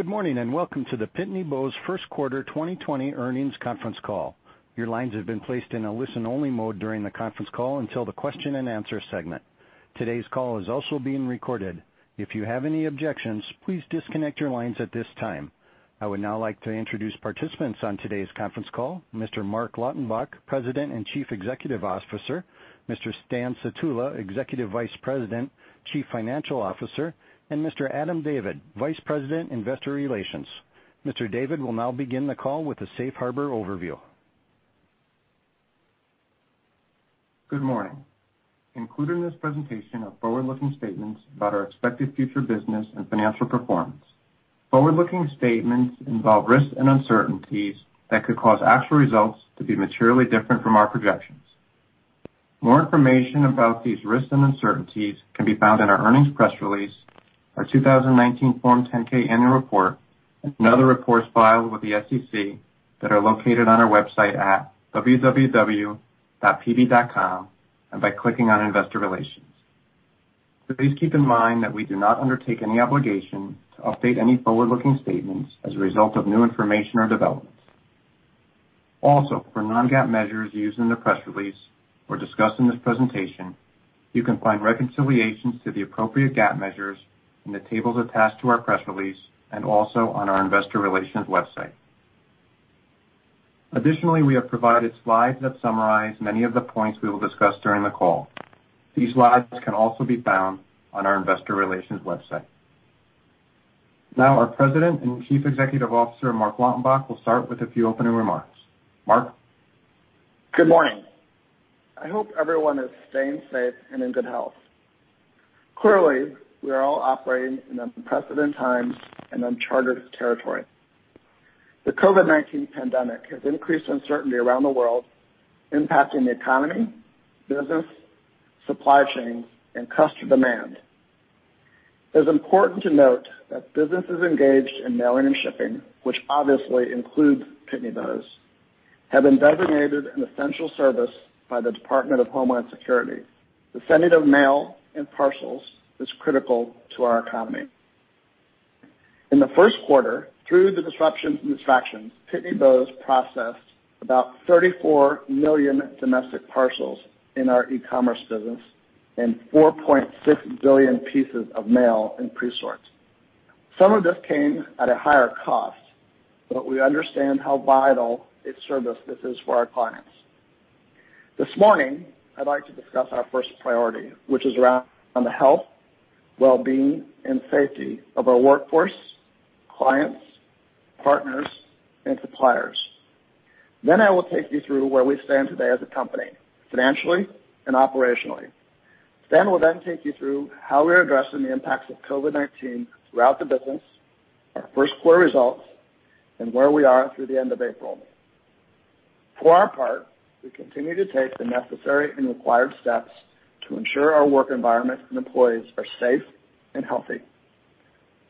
Good morning, welcome to the Pitney Bowes first quarter 2020 earnings conference call. Your lines have been placed in a listen-only mode during the conference call until the question and answer segment. Today's call is also being recorded. If you have any objections, please disconnect your lines at this time. I would now like to introduce participants on today's conference call, Mr. Marc Lautenbach, President and Chief Executive Officer, Mr. Stanley Sutula, Executive Vice President, Chief Financial Officer, and Mr. Adam David, Vice President, Investor Relations. Mr. David will now begin the call with a safe harbor overview. Good morning. Included in this presentation are forward-looking statements about our expected future business and financial performance. Forward-looking statements involve risks and uncertainties that could cause actual results to be materially different from our projections. More information about these risks and uncertainties can be found in our earnings press release, our 2019 Form 10-K Annual Report, and other reports filed with the SEC that are located on our website at www.pb.com and by clicking on Investor Relations. Please keep in mind that we do not undertake any obligation to update any forward-looking statements as a result of new information or developments. Also, for non-GAAP measures used in the press release or discussed in this presentation, you can find reconciliations to the appropriate GAAP measures in the tables attached to our press release, and also on our investor relations website. Additionally, we have provided slides that summarize many of the points we will discuss during the call. These slides can also be found on our investor relations website. Our President and Chief Executive Officer, Marc Lautenbach, will start with a few opening remarks. Marc? Good morning. I hope everyone is staying safe and in good health. Clearly, we are all operating in unprecedented times and uncharted territory. The COVID-19 pandemic has increased uncertainty around the world, impacting the economy, business, supply chains, and customer demand. It is important to note that businesses engaged in mailing and shipping, which obviously includes Pitney Bowes, have been designated an essential service by the Department of Homeland Security. The sending of mail and parcels is critical to our economy. In the first quarter, through the disruptions and distractions, Pitney Bowes processed about 34 million domestic parcels in our e-commerce business and 4.6 billion pieces of mail in Presort. Some of this came at a higher cost, but we understand how vital a service this is for our clients. This morning, I'd like to discuss our first priority, which is around the health, well-being, and safety of our workforce, clients, partners, and suppliers. I will take you through where we stand today as a company, financially and operationally. Stan will then take you through how we're addressing the impacts of COVID-19 throughout the business, our first quarter results, and where we are through the end of April. For our part, we continue to take the necessary and required steps to ensure our work environment and employees are safe and healthy.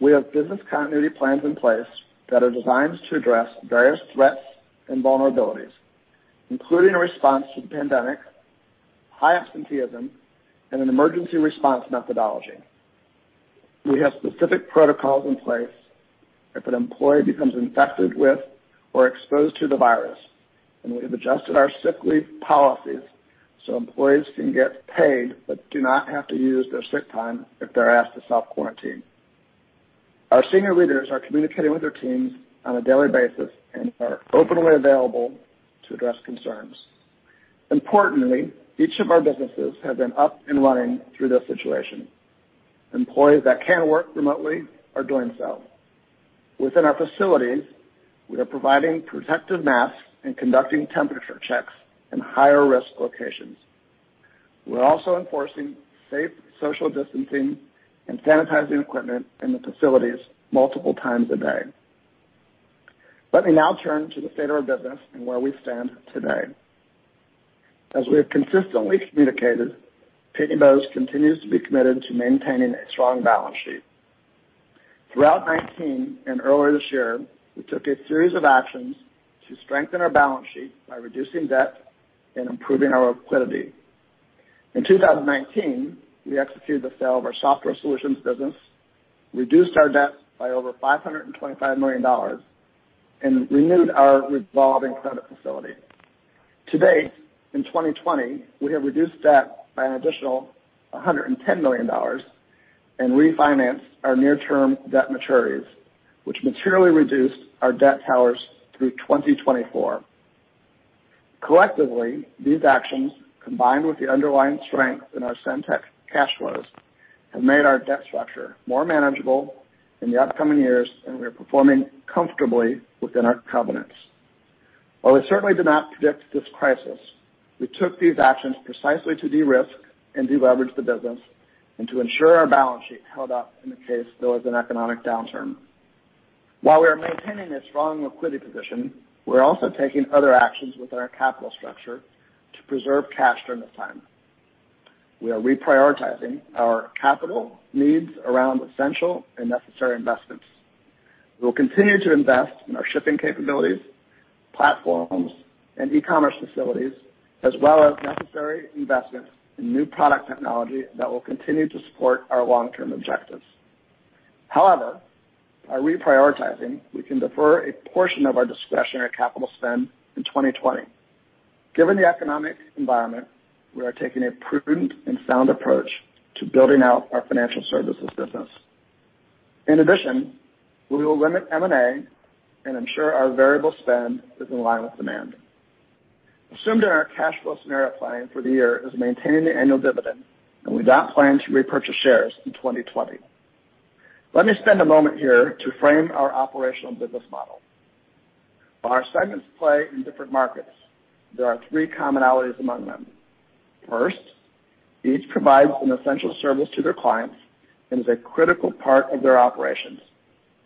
We have business continuity plans in place that are designed to address various threats and vulnerabilities, including a response to the pandemic, high absenteeism, and an emergency response methodology. We have specific protocols in place if an employee becomes infected with or exposed to the virus, and we have adjusted our sick leave policies so employees can get paid but do not have to use their sick time if they're asked to self-quarantine. Our senior leaders are communicating with their teams on a daily basis and are openly available to address concerns. Importantly, each of our businesses have been up and running through this situation. Employees that can work remotely are doing so. Within our facilities, we are providing protective masks and conducting temperature checks in higher risk locations. We're also enforcing safe social distancing and sanitizing equipment in the facilities multiple times a day. Let me now turn to the state of our business and where we stand today. As we have consistently communicated, Pitney Bowes continues to be committed to maintaining a strong balance sheet. Throughout 2019 and earlier this year, we took a series of actions to strengthen our balance sheet by reducing debt and improving our liquidity. In 2019, we executed the sale of our software solutions business, reduced our debt by over $525 million, and renewed our revolving credit facility. To date, in 2020, we have reduced debt by an additional $110 million and refinanced our near-term debt maturities, which materially reduced our debt towers through 2024. Collectively, these actions, combined with the underlying strength in our SendTech cash flows, have made our debt structure more manageable in the upcoming years, and we are performing comfortably within our covenants. While we certainly did not predict this crisis, we took these actions precisely to de-risk and de-leverage the business and to ensure our balance sheet held up in the case there was an economic downturn. While we are maintaining a strong liquidity position, we're also taking other actions with our capital structure to preserve cash during this time. We are reprioritizing our capital needs around essential and necessary investments. We will continue to invest in our shipping capabilities, platforms and ecommerce facilities, as well as necessary investments in new product technology that will continue to support our long-term objectives. By reprioritizing, we can defer a portion of our discretionary capital spend in 2020. Given the economic environment, we are taking a prudent and sound approach to building out our financial services business. We will limit M&A and ensure our variable spend is in line with demand. Assumed in our cash flow scenario planning for the year is maintaining the annual dividend, and we do not plan to repurchase shares in 2020. Let me spend a moment here to frame our operational business model. While our segments play in different markets, there are three commonalities among them. First, each provides an essential service to their clients and is a critical part of their operations,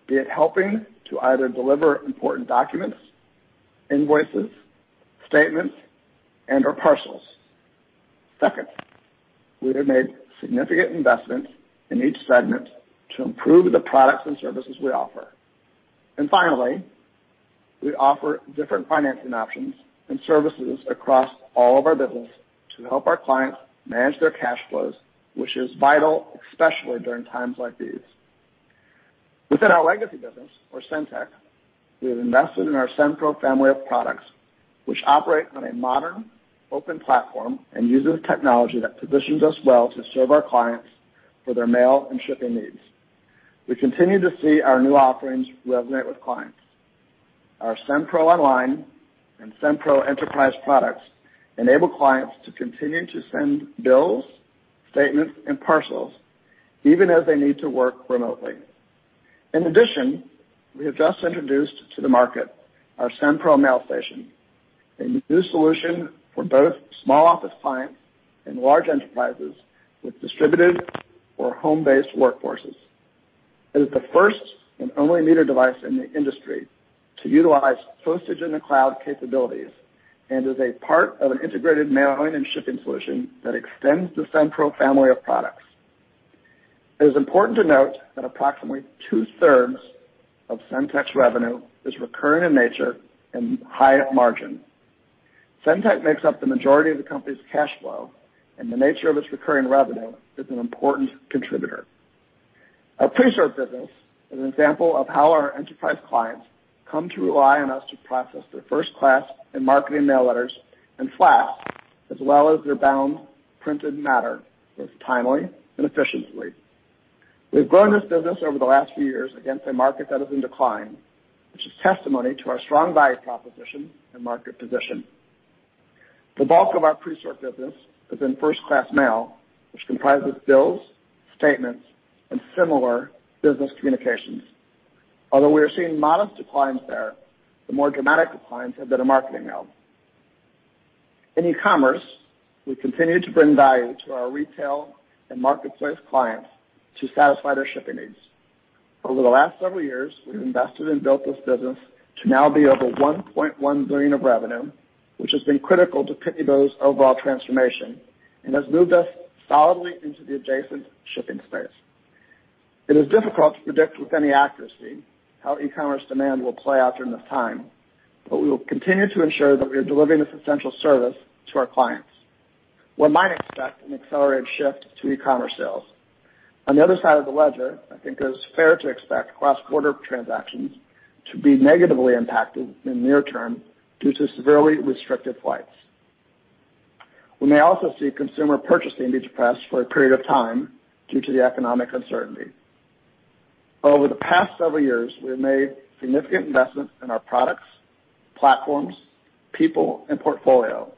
be it helping to either deliver important documents, invoices, statements, and/or parcels. Second, we have made significant investments in each segment to improve the products and services we offer. Finally, we offer different financing options and services across all of our business to help our clients manage their cash flows, which is vital, especially during times like these. Within our legacy business, or SendTech, we have invested in our SendPro family of products, which operate on a modern open platform and uses technology that positions us well to serve our clients for their mail and shipping needs. We continue to see our new offerings resonate with clients. Our SendPro Online and SendPro Enterprise products enable clients to continue to send bills, statements, and parcels even as they need to work remotely. In addition, we have just introduced to the market our SendPro Mailstation, a new solution for both small office clients and large enterprises with distributed or home-based workforces. It is the first and only meter device in the industry to utilize postage in the cloud capabilities and is a part of an integrated mailing and shipping solution that extends the SendPro family of products. It is important to note that approximately two-thirds of SendTech's revenue is recurring in nature and high margin. SendTech makes up the majority of the company's cash flow, and the nature of its recurring revenue is an important contributor. Our Presort business is an example of how our enterprise clients come to rely on us to process their first-class and marketing mail letters and flats, as well as their bound printed matter, both timely and efficiently. We've grown this business over the last few years against a market that is in decline, which is testimony to our strong value proposition and market position. The bulk of our Presort business is in first-class mail, which comprises bills, statements, and similar business communications. Although we are seeing modest declines there, the more dramatic declines have been in marketing mail. In e-commerce, we continue to bring value to our retail and marketplace clients to satisfy their shipping needs. Over the last several years, we've invested and built this business to now be over $1.1 billion of revenue, which has been critical to Pitney Bowes' overall transformation and has moved us solidly into the adjacent shipping space. It is difficult to predict with any accuracy how e-commerce demand will play out during this time, but we will continue to ensure that we are delivering this essential service to our clients. One might expect an accelerated shift to e-commerce sales. On the other side of the ledger, I think it is fair to expect cross-border transactions to be negatively impacted in the near term due to severely restricted flights. We may also see consumer purchasing be depressed for a period of time due to the economic uncertainty. Over the past several years, we have made significant investments in our products, platforms, people, and portfolio.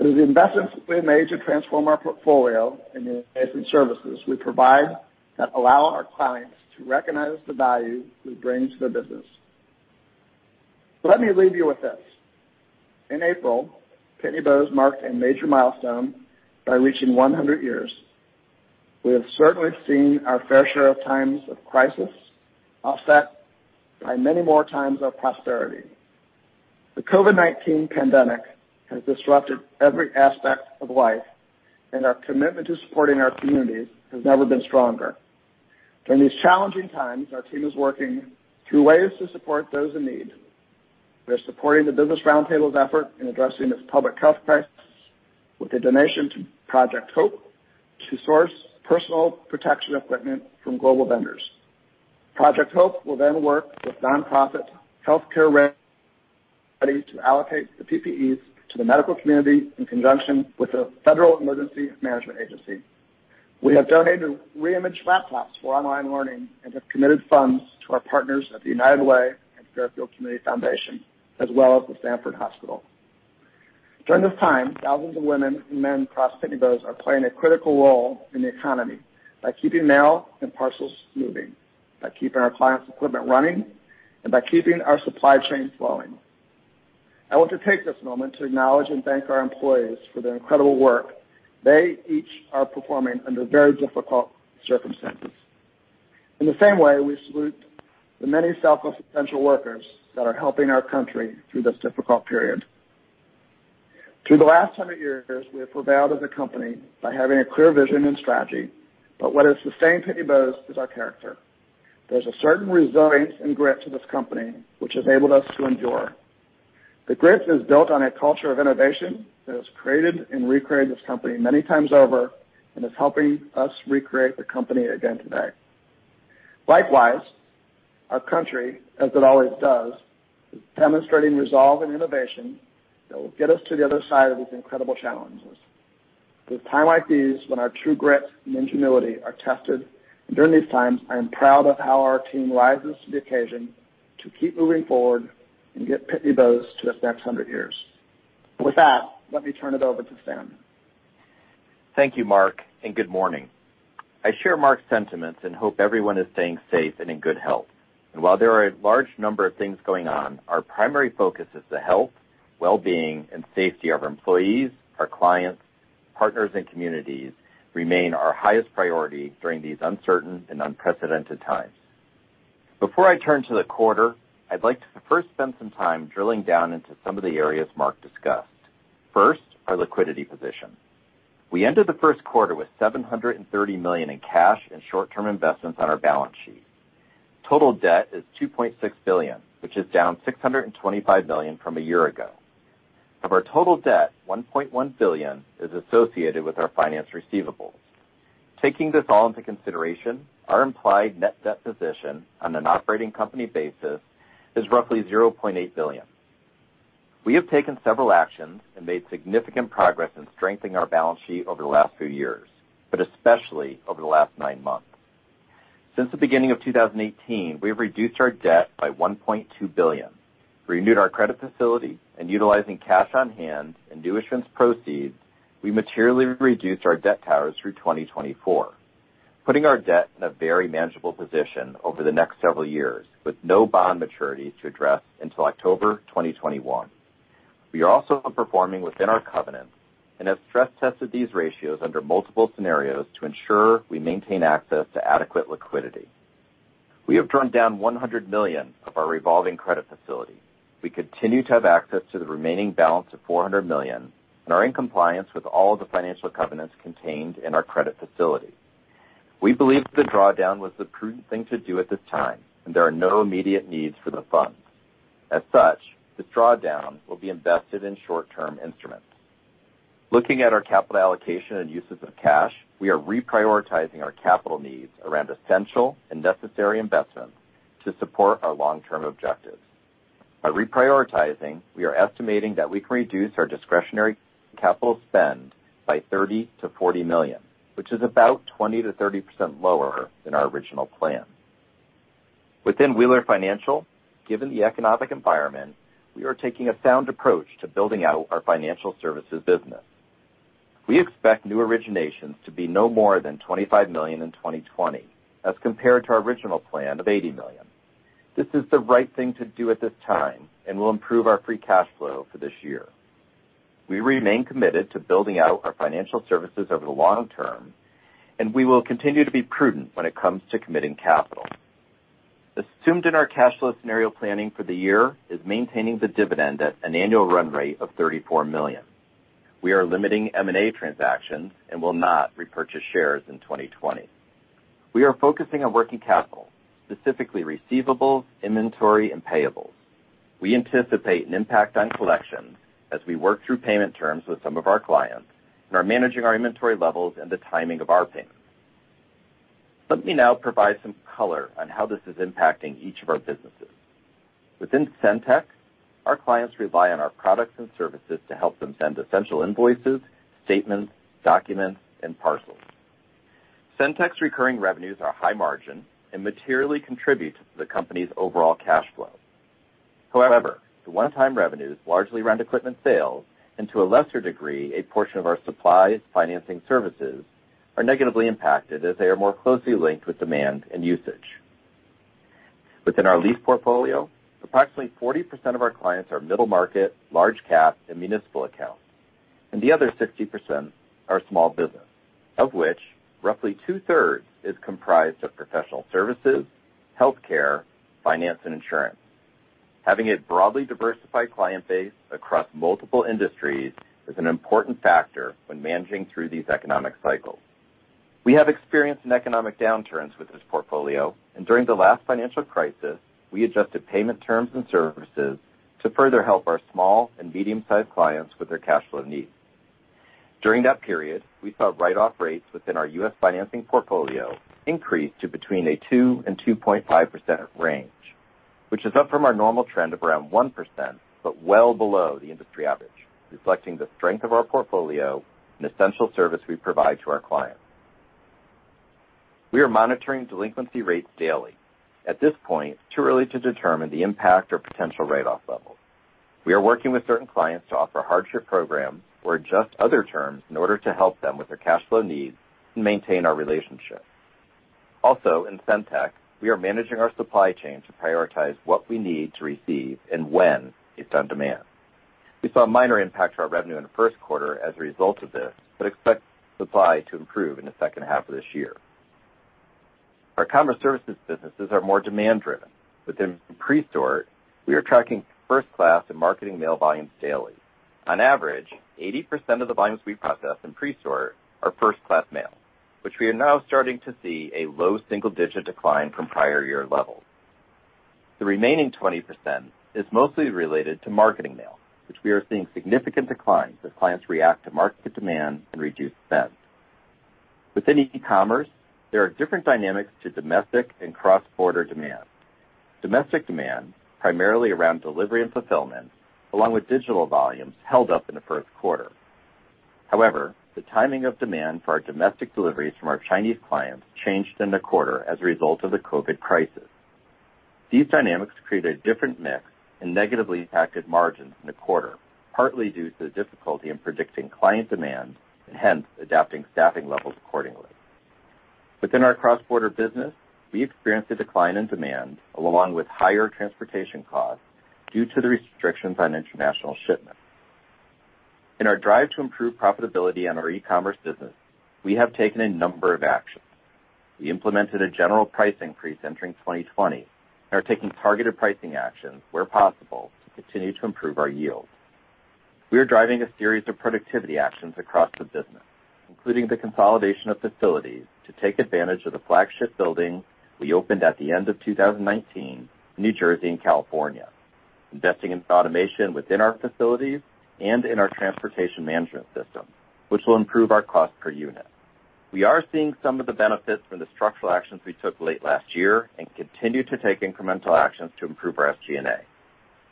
It is the investments we have made to transform our portfolio and the adjacent services we provide that allow our clients to recognize the value we bring to their business. Let me leave you with this. In April, Pitney Bowes marked a major milestone by reaching 100 years. We have certainly seen our fair share of times of crisis offset by many more times of prosperity. The COVID-19 pandemic has disrupted every aspect of life, and our commitment to supporting our communities has never been stronger. During these challenging times, our team is working through ways to support those in need. We are supporting the Business Roundtable's effort in addressing this public health crisis with a donation to Project HOPE to source personal protection equipment from global vendors. Project HOPE will then work with nonprofit Healthcare Ready to allocate the PPEs to the medical community in conjunction with the Federal Emergency Management Agency. We have donated re-imaged laptops for online learning and have committed funds to our partners at the United Way and Fairfield County's Community Foundation, as well as the Stamford Hospital. During this time, thousands of women and men across Pitney Bowes are playing a critical role in the economy by keeping mail and parcels moving, by keeping our clients' equipment running, and by keeping our supply chain flowing. I want to take this moment to acknowledge and thank our employees for their incredible work they each are performing under very difficult circumstances. In the same way, we salute the many self-essential workers that are helping our country through this difficult period. Through the last 100 years, we have prevailed as a company by having a clear vision and strategy, but what has sustained Pitney Bowes is our character. There's a certain resilience and grit to this company which has enabled us to endure. The grit is built on a culture of innovation that has created and recreated this company many times over and is helping us recreate the company again today. Likewise, our country, as it always does, is demonstrating resolve and innovation that will get us to the other side of these incredible challenges. It is time like these when our true grit and ingenuity are tested. During these times, I am proud of how our team rises to the occasion to keep moving forward and get Pitney Bowes to its next 100 years. With that, let me turn it over to Stan. Thank you, Marc, and good morning. I share Marc's sentiments and hope everyone is staying safe and in good health. While there are a large number of things going on, our primary focus is the health, well-being, and safety of our employees, our clients, partners, and communities remain our highest priority during these uncertain and unprecedented times. Before I turn to the quarter, I'd like to first spend some time drilling down into some of the areas Marc discussed. First, our liquidity position. We entered the first quarter with $730 million in cash and short-term investments on our balance sheet. Total debt is $2.6 billion, which is down $625 million from a year ago. Of our total debt, $1.1 billion is associated with our finance receivables. Taking this all into consideration, our implied net debt position on an operating company basis is roughly $0.8 billion. We have taken several actions and made significant progress in strengthening our balance sheet over the last few years, but especially over the last nine months. Since the beginning of 2018, we have reduced our debt by $1.2 billion, renewed our credit facility, and utilizing cash on hand and new issuance proceeds, we materially reduced our debt towers through 2024, putting our debt in a very manageable position over the next several years with no bond maturities to address until October 2021. We are also performing within our covenants and have stress tested these ratios under multiple scenarios to ensure we maintain access to adequate liquidity. We have drawn down $100 million of our revolving credit facility. We continue to have access to the remaining balance of $400 million and are in compliance with all of the financial covenants contained in our credit facility. We believe the drawdown was the prudent thing to do at this time, and there are no immediate needs for the funds. As such, this drawdown will be invested in short-term instruments. Looking at our capital allocation and uses of cash, we are reprioritizing our capital needs around essential and necessary investments to support our long-term objectives. By reprioritizing, we are estimating that we can reduce our discretionary capital spend by $30 million-$40 million, which is about 20%-30% lower than our original plan. Within Wheeler Financial, given the economic environment, we are taking a sound approach to building out our financial services business. We expect new originations to be no more than $25 million in 2020 as compared to our original plan of $80 million. This is the right thing to do at this time and will improve our free cash flow for this year. We remain committed to building out our financial services over the long term, and we will continue to be prudent when it comes to committing capital. Assumed in our cash flow scenario planning for the year is maintaining the dividend at an annual run rate of $34 million. We are limiting M&A transactions and will not repurchase shares in 2020. We are focusing on working capital, specifically receivables, inventory, and payables. We anticipate an impact on collections as we work through payment terms with some of our clients and are managing our inventory levels and the timing of our payments. Let me now provide some color on how this is impacting each of our businesses. Within SendTech, our clients rely on our products and services to help them send essential invoices, statements, documents, and parcels. SendTech's recurring revenues are high margin and materially contribute to the company's overall cash flow. The one-time revenues largely around equipment sales, and to a lesser degree, a portion of our supplies financing services are negatively impacted as they are more closely linked with demand and usage. Within our lease portfolio, approximately 40% of our clients are middle market, large cap, and municipal accounts, and the other 60% are small business, of which roughly 2/3 is comprised of professional services, healthcare, finance, and insurance. Having a broadly diversified client base across multiple industries is an important factor when managing through these economic cycles. We have experienced in economic downturns with this portfolio, and during the last financial crisis, we adjusted payment terms and services to further help our small and medium-sized clients with their cash flow needs. During that period, we saw write-off rates within our U.S. financing portfolio increase to between a 2% and 2.5% range, which is up from our normal trend of around 1%, but well below the industry average, reflecting the strength of our portfolio and essential service we provide to our clients. We are monitoring delinquency rates daily. At this point, it's too early to determine the impact or potential write-off levels. We are working with certain clients to offer hardship programs or adjust other terms in order to help them with their cash flow needs and maintain our relationship. Also in SendTech, we are managing our supply chain to prioritize what we need to receive and when based on demand. We saw a minor impact to our revenue in the first quarter as a result of this, but expect supply to improve in the second half of this year. Our Commerce Services businesses are more demand driven. Within Presort, we are tracking first-class and marketing mail volumes daily. On average, 80% of the volumes we process in Presort are first-class mail, which we are now starting to see a low single-digit decline from prior year levels. The remaining 20% is mostly related to marketing mail, which we are seeing significant declines as clients react to market demand and reduce spend. Within ecommerce, there are different dynamics to domestic and cross-border demand. Domestic demand, primarily around delivery and fulfillment, along with digital volumes, held up in the first quarter. However, the timing of demand for our domestic deliveries from our Chinese clients changed in the quarter as a result of the COVID-19 crisis. These dynamics created a different mix and negatively impacted margins in the quarter, partly due to the difficulty in predicting client demand and hence adapting staffing levels accordingly. Within our cross-border business, we experienced a decline in demand, along with higher transportation costs due to the restrictions on international shipments. In our drive to improve profitability on our ecommerce business, we have taken a number of actions. We implemented a general price increase entering 2020 and are taking targeted pricing actions where possible to continue to improve our yield. We are driving a series of productivity actions across the business, including the consolidation of facilities to take advantage of the flagship building we opened at the end of 2019 in New Jersey and California, investing in automation within our facilities and in our transportation management system, which will improve our cost per unit. We are seeing some of the benefits from the structural actions we took late last year and continue to take incremental actions to improve our SG&A.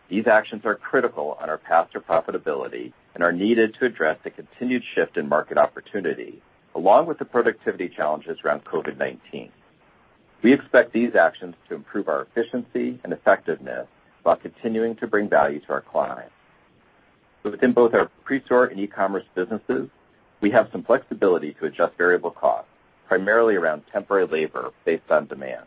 These actions are critical on our path to profitability and are needed to address the continued shift in market opportunity, along with the productivity challenges around COVID-19. We expect these actions to improve our efficiency and effectiveness while continuing to bring value to our clients. Within both our Presort and Ecommerce businesses, we have some flexibility to adjust variable costs, primarily around temporary labor based on demand.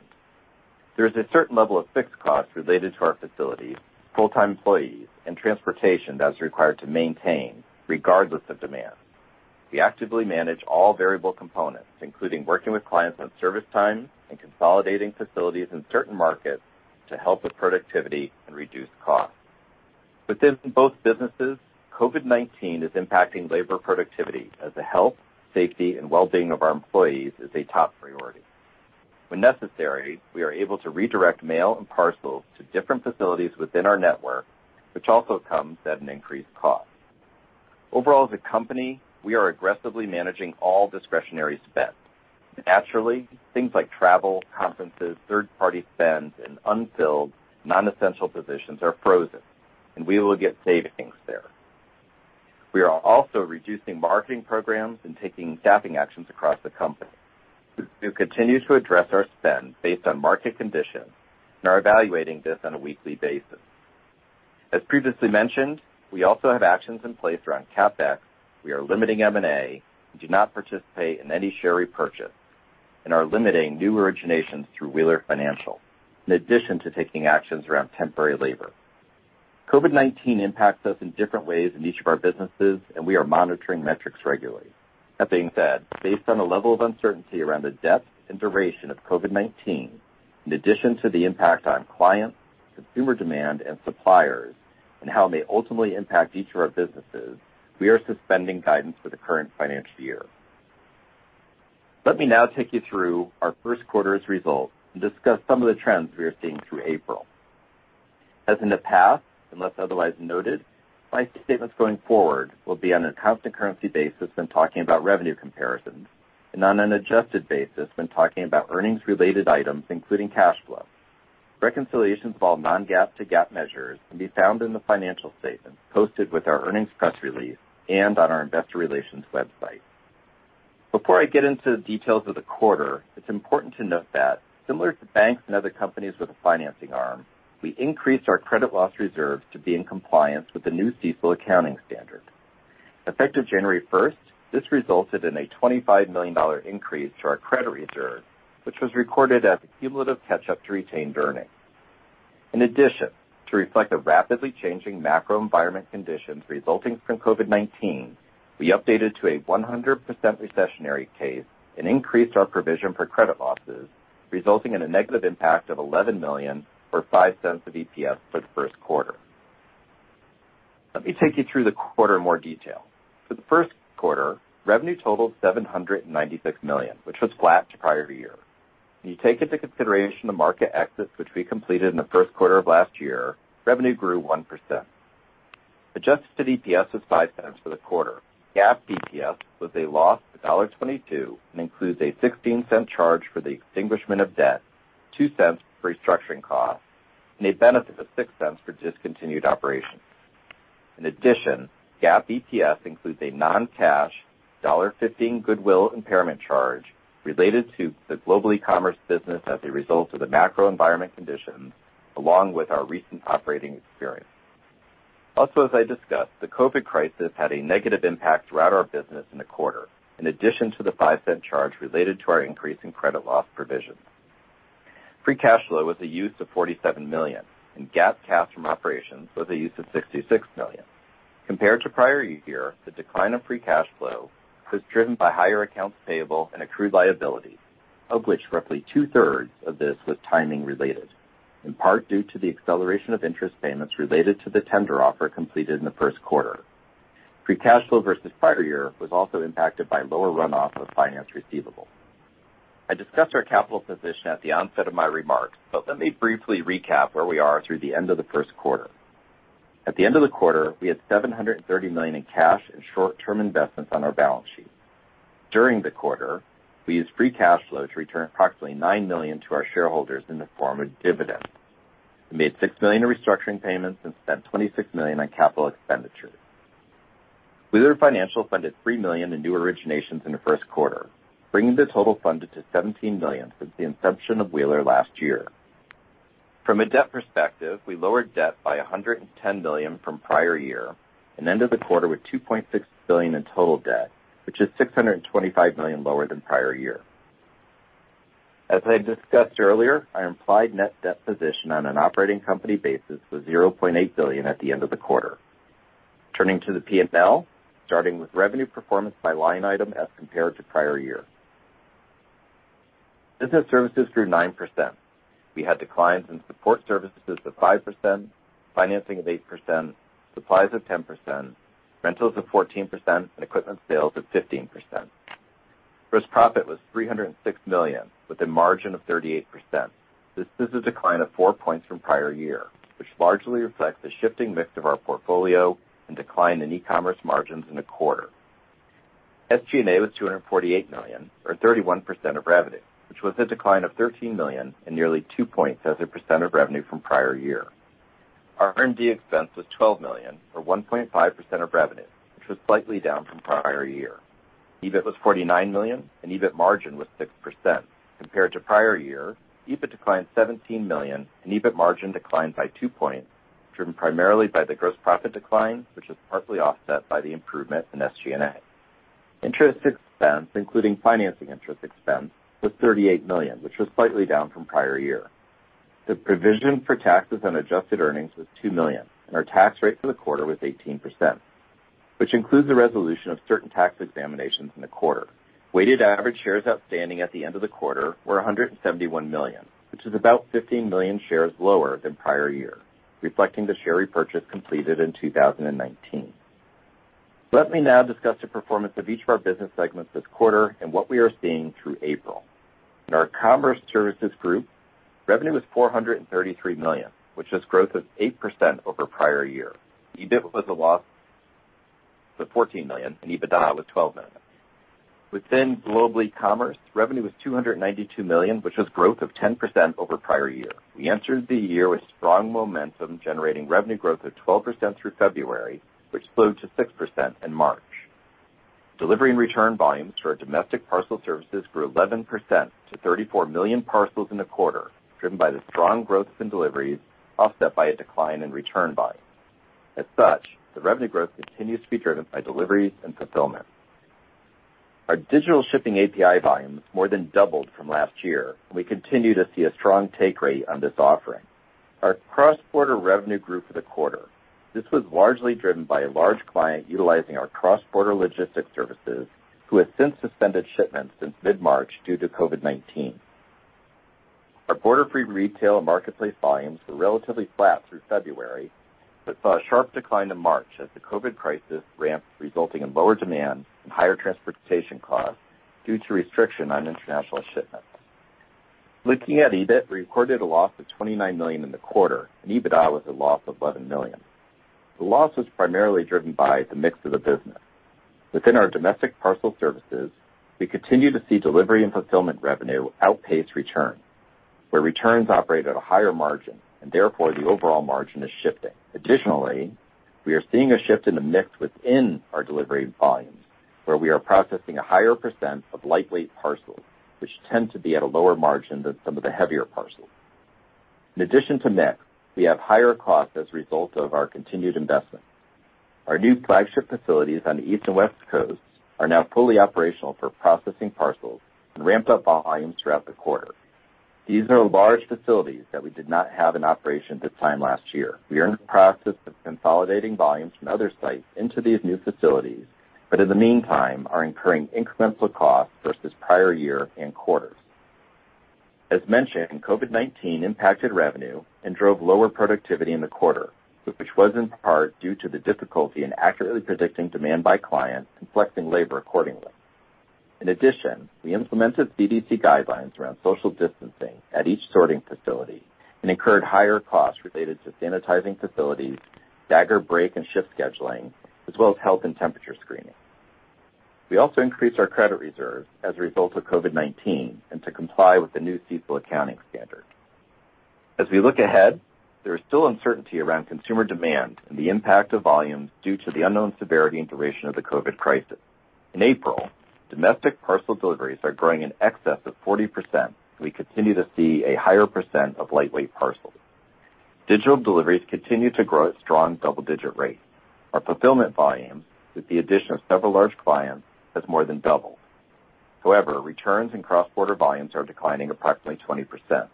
There is a certain level of fixed costs related to our facilities, full-time employees, and transportation that is required to maintain, regardless of demand. We actively manage all variable components, including working with clients on service times and consolidating facilities in certain markets to help with productivity and reduce costs. Within both businesses, COVID-19 is impacting labor productivity as the health, safety, and well-being of our employees is a top priority. When necessary, we are able to redirect mail and parcels to different facilities within our network, which also comes at an increased cost. Overall, as a company, we are aggressively managing all discretionary spend. Naturally, things like travel, conferences, third-party spends in unfilled, non-essential positions are frozen, and we will get savings there. We are also reducing marketing programs and taking staffing actions across the company. We continue to address our spend based on market conditions and are evaluating this on a weekly basis. As previously mentioned, we also have actions in place around CapEx. We are limiting M&A and do not participate in any share repurchase, and are limiting new originations through Wheeler Financial, in addition to taking actions around temporary labor. COVID-19 impacts us in different ways in each of our businesses, and we are monitoring metrics regularly. That being said, based on the level of uncertainty around the depth and duration of COVID-19, in addition to the impact on clients, consumer demand, and suppliers, and how it may ultimately impact each of our businesses, we are suspending guidance for the current financial year. Let me now take you through our first quarter's results and discuss some of the trends we are seeing through April. As in the past, unless otherwise noted, my statements going forward will be on a constant currency basis when talking about revenue comparisons and on an adjusted basis when talking about earnings-related items, including cash flow. Reconciliations of all non-GAAP to GAAP measures can be found in the financial statements posted with our earnings press release and on our investor relations website. Before I get into the details of the quarter, it's important to note that similar to banks and other companies with a financing arm, we increased our credit loss reserves to be in compliance with the new CECL accounting standard. Effective January 1st, this resulted in a $25 million increase to our credit reserve, which was recorded as a cumulative catch-up to retained earnings. In addition, to reflect the rapidly changing macro environment conditions resulting from COVID-19, we updated to a 100% recessionary case and increased our provision for credit losses, resulting in a negative impact of $11 million or $0.05 of EPS for the first quarter. Let me take you through the quarter in more detail. For the first quarter, revenue totaled $796 million, which was flat to prior year. When you take into consideration the market exits which we completed in the first quarter of last year, revenue grew 1%. Adjusted EPS was $0.05 for the quarter. GAAP EPS was a loss of $1.22 and includes a $0.16 charge for the extinguishment of debt, $0.02 for restructuring costs, and a benefit of $0.06 for discontinued operations. In addition, GAAP EPS includes a non-cash $1.15 goodwill impairment charge related to the Global Ecommerce business as a result of the macro environment conditions, along with our recent operating experience. Also, as I discussed, the COVID-19 crisis had a negative impact throughout our business in the quarter, in addition to the $0.05 charge related to our increase in credit loss provisions. Free cash flow was a use of $47 million, and GAAP cash from operations was a use of $66 million. Compared to prior year, the decline of free cash flow was driven by higher accounts payable and accrued liability, of which roughly two-thirds of this was timing related, in part due to the acceleration of interest payments related to the tender offer completed in the first quarter. Free cash flow versus prior year was also impacted by lower runoff of finance receivable. I discussed our capital position at the onset of my remarks. Let me briefly recap where we are through the end of the first quarter. At the end of the quarter, we had $730 million in cash and short-term investments on our balance sheet. During the quarter, we used free cash flow to return approximately $9 million to our shareholders in the form of dividends and made $6 million in restructuring payments and spent $26 million on capital expenditures. Wheeler Financial funded $3 million in new originations in the first quarter, bringing the total funded to $17 million since the inception of Wheeler last year. From a debt perspective, we lowered debt by $110 million from prior year and ended the quarter with $2.6 billion in total debt, which is $625 million lower than prior year. As I discussed earlier, our implied net debt position on an operating company basis was $0.8 billion at the end of the quarter. Turning to the P&L, starting with revenue performance by line item as compared to prior year. Business services grew 9%. We had declines in support services of 5%, financing of 8%, supplies of 10%, rentals of 14%, and equipment sales of 15%. Gross profit was $306 million, with a margin of 38%. This is a decline of four points from prior year, which largely reflects the shifting mix of our portfolio and decline in ecommerce margins in the quarter. SG&A was $248 million, or 31% of revenue, which was a decline of $13 million and nearly two points as a percent of revenue from prior year. Our R&D expense was $12 million, or 1.5% of revenue, which was slightly down from prior year. EBIT was $49 million. EBIT margin was 6%. Compared to prior year, EBIT declined $17 million and EBIT margin declined by two points, driven primarily by the gross profit decline, which was partly offset by the improvement in SG&A. Interest expense, including financing interest expense, was $38 million, which was slightly down from prior year. The provision for taxes on adjusted earnings was $2 million. Our tax rate for the quarter was 18%, which includes the resolution of certain tax examinations in the quarter. Weighted average shares outstanding at the end of the quarter were 171 million, which is about 15 million shares lower than prior year, reflecting the share repurchase completed in 2019. Let me now discuss the performance of each of our business segments this quarter and what we are seeing through April. In our Commerce Services group, revenue was $433 million, which was growth of 8% over prior year. EBIT was a loss of $14 million, and EBITDA was $12 million. Within Global Ecommerce, revenue was $292 million, which was growth of 10% over prior year. We entered the year with strong momentum, generating revenue growth of 12% through February, which slowed to 6% in March. Delivery and return volumes to our domestic parcel services grew 11% to 34 million parcels in the quarter, driven by the strong growth in deliveries, offset by a decline in return volumes. As such, the revenue growth continues to be driven by deliveries and fulfillment. Our digital shipping API volumes more than doubled from last year. We continue to see a strong take rate on this offering. Our cross-border revenue grew for the quarter. This was largely driven by a large client utilizing our cross-border logistics services, who has since suspended shipments since mid-March due to COVID-19. Our Borderfree retail and marketplace volumes were relatively flat through February, but saw a sharp decline in March as the COVID crisis ramped, resulting in lower demand and higher transportation costs due to restriction on international shipments. Looking at EBIT, we recorded a loss of $29 million in the quarter, and EBITDA was a loss of $11 million. The loss was primarily driven by the mix of the business. Within our domestic parcel services, we continue to see delivery and fulfillment revenue outpace return, where returns operate at a higher margin, and therefore the overall margin is shifting. Additionally, we are seeing a shift in the mix within our delivery volumes, where we are processing a higher percent of lightweight parcels, which tend to be at a lower margin than some of the heavier parcels. In addition to mix, we have higher costs as a result of our continued investment. Our new flagship facilities on the East and West Coasts are now fully operational for processing parcels and ramped up volumes throughout the quarter. These are large facilities that we did not have in operation this time last year. We are in the process of consolidating volumes from other sites into these new facilities, but in the meantime are incurring incremental costs versus prior year and quarters. As mentioned, COVID-19 impacted revenue and drove lower productivity in the quarter, which was in part due to the difficulty in accurately predicting demand by clients and flexing labor accordingly. In addition, we implemented CDC guidelines around social distancing at each sorting facility and incurred higher costs related to sanitizing facilities, stagger break and shift scheduling, as well as health and temperature screening. We also increased our credit reserves as a result of COVID-19 and to comply with the new CECL accounting standard. As we look ahead, there is still uncertainty around consumer demand and the impact of volumes due to the unknown severity and duration of the COVID crisis. In April, domestic parcel deliveries are growing in excess of 40%, and we continue to see a higher percent of lightweight parcels. Digital deliveries continue to grow at strong double-digit rates. Our fulfillment volumes, with the addition of several large clients, has more than doubled. However, returns and cross-border volumes are declining approximately 20%.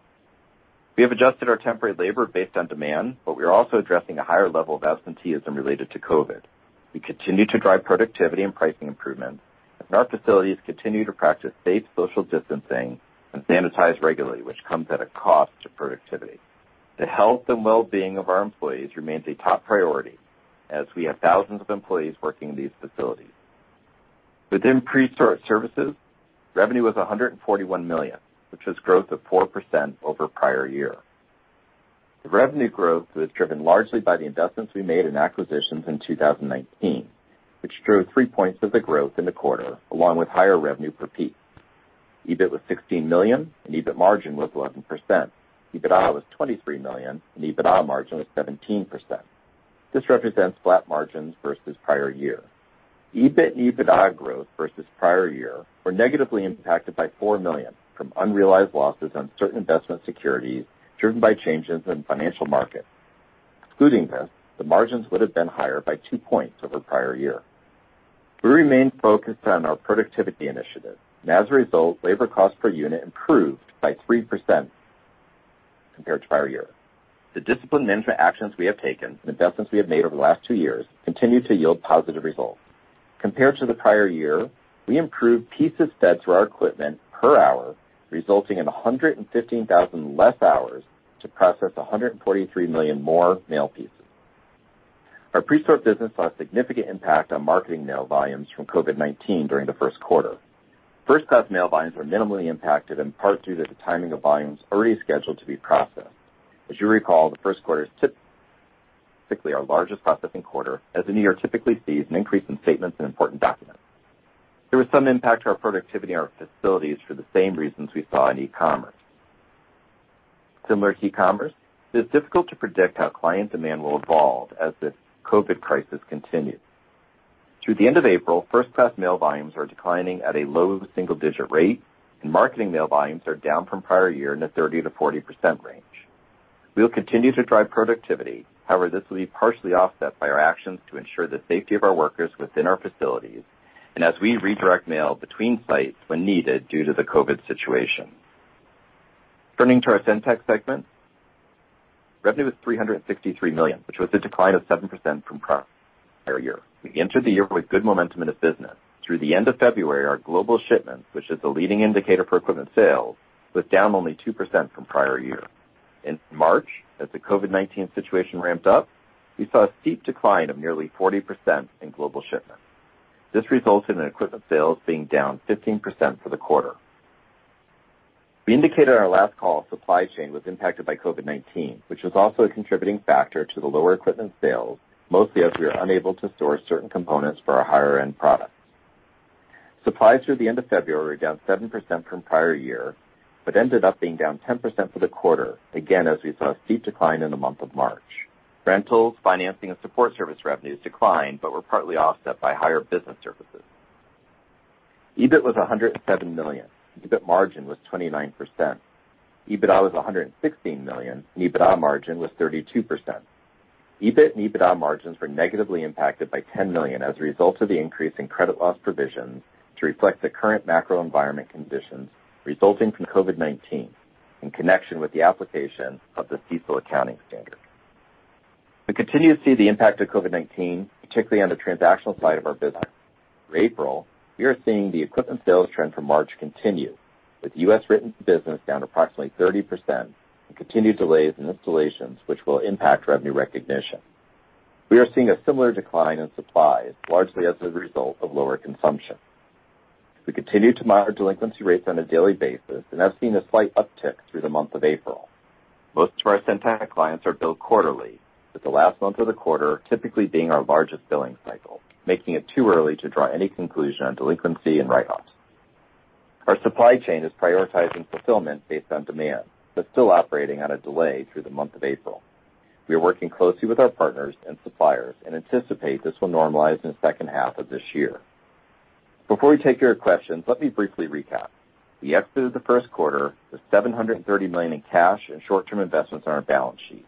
We have adjusted our temporary labor based on demand, but we are also addressing a higher level of absenteeism related to COVID. We continue to drive productivity and pricing improvements, and our facilities continue to practice safe social distancing and sanitize regularly, which comes at a cost to productivity. The health and wellbeing of our employees remains a top priority as we have thousands of employees working in these facilities. Within Presort Services, revenue was $141 million, which is growth of 4% over prior year. The revenue growth was driven largely by the investments we made in acquisitions in 2019, which drove three points of the growth in the quarter, along with higher revenue per piece. EBIT was $16 million, and EBIT margin was 11%. EBITDA was $23 million, and EBITDA margin was 17%. This represents flat margins versus prior year. EBIT and EBITDA growth versus prior year were negatively impacted by $4 million from unrealized losses on certain investment securities, driven by changes in financial markets. Excluding this, the margins would've been higher by two points over prior year. We remain focused on our productivity initiatives, and as a result, labor cost per unit improved by 3% compared to prior year. The disciplined management actions we have taken and investments we have made over the last two years continue to yield positive results. Compared to the prior year, we improved pieces fed through our equipment per hour, resulting in 115,000 less hours to process 143 million more mail pieces. Our Presort business saw a significant impact on marketing mail volumes from COVID-19 during the first quarter. First Class mail volumes were minimally impacted, in part due to the timing of volumes already scheduled to be processed. As you recall, the first quarter is typically our largest processing quarter, as the new year typically sees an increase in statements and important documents. There was some impact to our productivity in our facilities for the same reasons we saw in ecommerce. Similar to ecommerce, it is difficult to predict how client demand will evolve as this COVID crisis continues. Through the end of April, First Class mail volumes are declining at a low single-digit rate, and marketing mail volumes are down from prior year in the 30%-40% range. We will continue to drive productivity. This will be partially offset by our actions to ensure the safety of our workers within our facilities and as we redirect mail between sites when needed due to the COVID situation. Turning to our SendTech segment, revenue was $363 million, which was a decline of 7% from prior year. We entered the year with good momentum in this business. Through the end of February, our global shipments, which is a leading indicator for equipment sales, was down only 2% from prior year. In March, as the COVID-19 situation ramped up, we saw a steep decline of nearly 40% in global shipments. This resulted in equipment sales being down 15% for the quarter. We indicated on our last call supply chain was impacted by COVID-19, which was also a contributing factor to the lower equipment sales, mostly as we were unable to source certain components for our higher-end products. Supplies through the end of February were down 7% from prior year, but ended up being down 10% for the quarter, again, as we saw a steep decline in the month of March. Rentals, financing, and support service revenues declined, but were partly offset by higher business services. EBIT was $107 million. EBIT margin was 29%. EBITDA was $116 million. EBITDA margin was 32%. EBIT and EBITDA margins were negatively impacted by $10 million as a result of the increase in credit loss provisions to reflect the current macro environment conditions resulting from COVID-19 in connection with the application of the CECL accounting standard. We continue to see the impact of COVID-19, particularly on the transactional side of our business. Through April, we are seeing the equipment sales trend from March continue, with U.S. written business down approximately 30% and continued delays in installations which will impact revenue recognition. We are seeing a similar decline in supplies, largely as a result of lower consumption. We continue to monitor delinquency rates on a daily basis and have seen a slight uptick through the month of April. Most of our SendTech clients are billed quarterly, with the last month of the quarter typically being our largest billing cycle, making it too early to draw any conclusion on delinquency and write-offs. Our supply chain is prioritizing fulfillment based on demand, still operating on a delay through the month of April. We are working closely with our partners and suppliers and anticipate this will normalize in the second half of this year. Before we take your questions, let me briefly recap. We exited the first quarter with $730 million in cash and short-term investments on our balance sheet.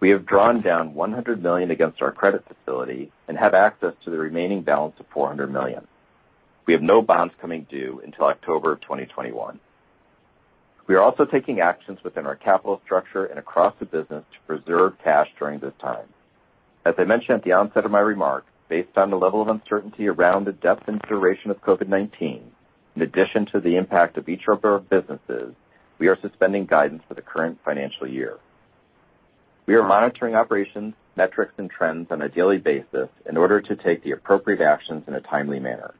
We have drawn down $100 million against our credit facility and have access to the remaining balance of $400 million. We have no bonds coming due until October of 2021. We are also taking actions within our capital structure and across the business to preserve cash during this time. As I mentioned at the onset of my remarks, based on the level of uncertainty around the depth and duration of COVID-19, in addition to the impact of each of our businesses, we are suspending guidance for the current financial year. We are monitoring operations, metrics, and trends on a daily basis in order to take the appropriate actions in a timely manner.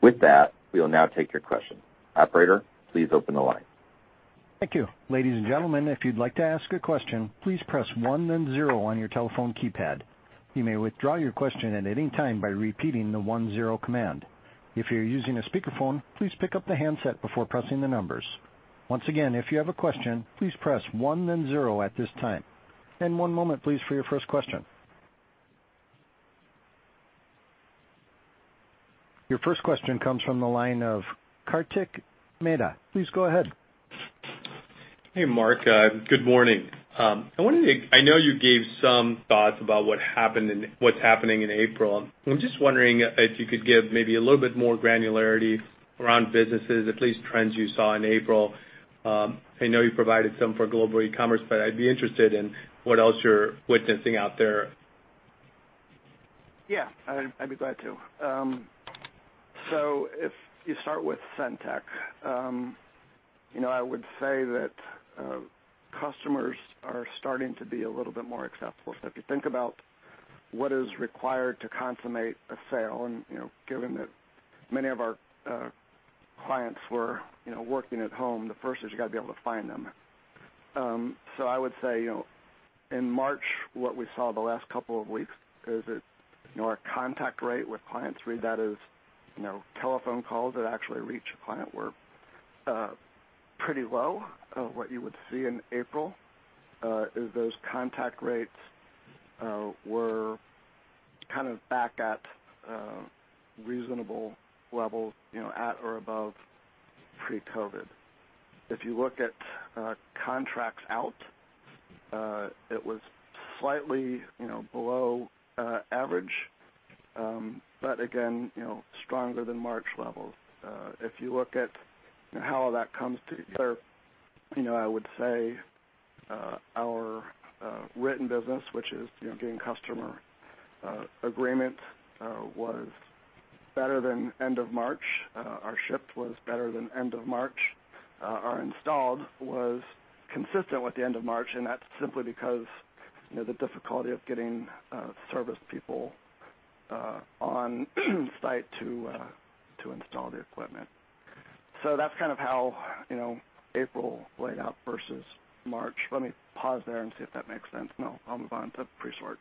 With that, we will now take your questions. Operator, please open the line. Your first question comes from the line of Kartik Mehta. Please go ahead. Hey, Marc. Good morning. I know you gave some thoughts about what's happening in April. I'm just wondering if you could give maybe a little bit more granularity around businesses, at least trends you saw in April. I know you provided some for Global Ecommerce, but I'd be interested in what else you're witnessing out there. Yeah, I'd be glad to. If you start with SendTech, I would say that customers are starting to be a little bit more acceptable. If you think about what is required to consummate a sale, and given that many of our clients were working at home, the first is you got to be able to find them. I would say, in March, what we saw the last couple of weeks is that our contact rate with clients, read that as telephone calls that actually reach a client, were pretty low. What you would see in April is those contact rates were kind of back at reasonable levels, at or above pre-COVID. If you look at contracts out, it was slightly below average. Again, stronger than March levels. If you look at how that comes together, I would say our written business, which is getting customer agreement, was better than end of March. Our shipped was better than end of March. Our installed was consistent with the end of March, and that's simply because the difficulty of getting service people on site to install the equipment. That's kind of how April laid out versus March. Let me pause there and see if that makes sense. I'll move on to Presort.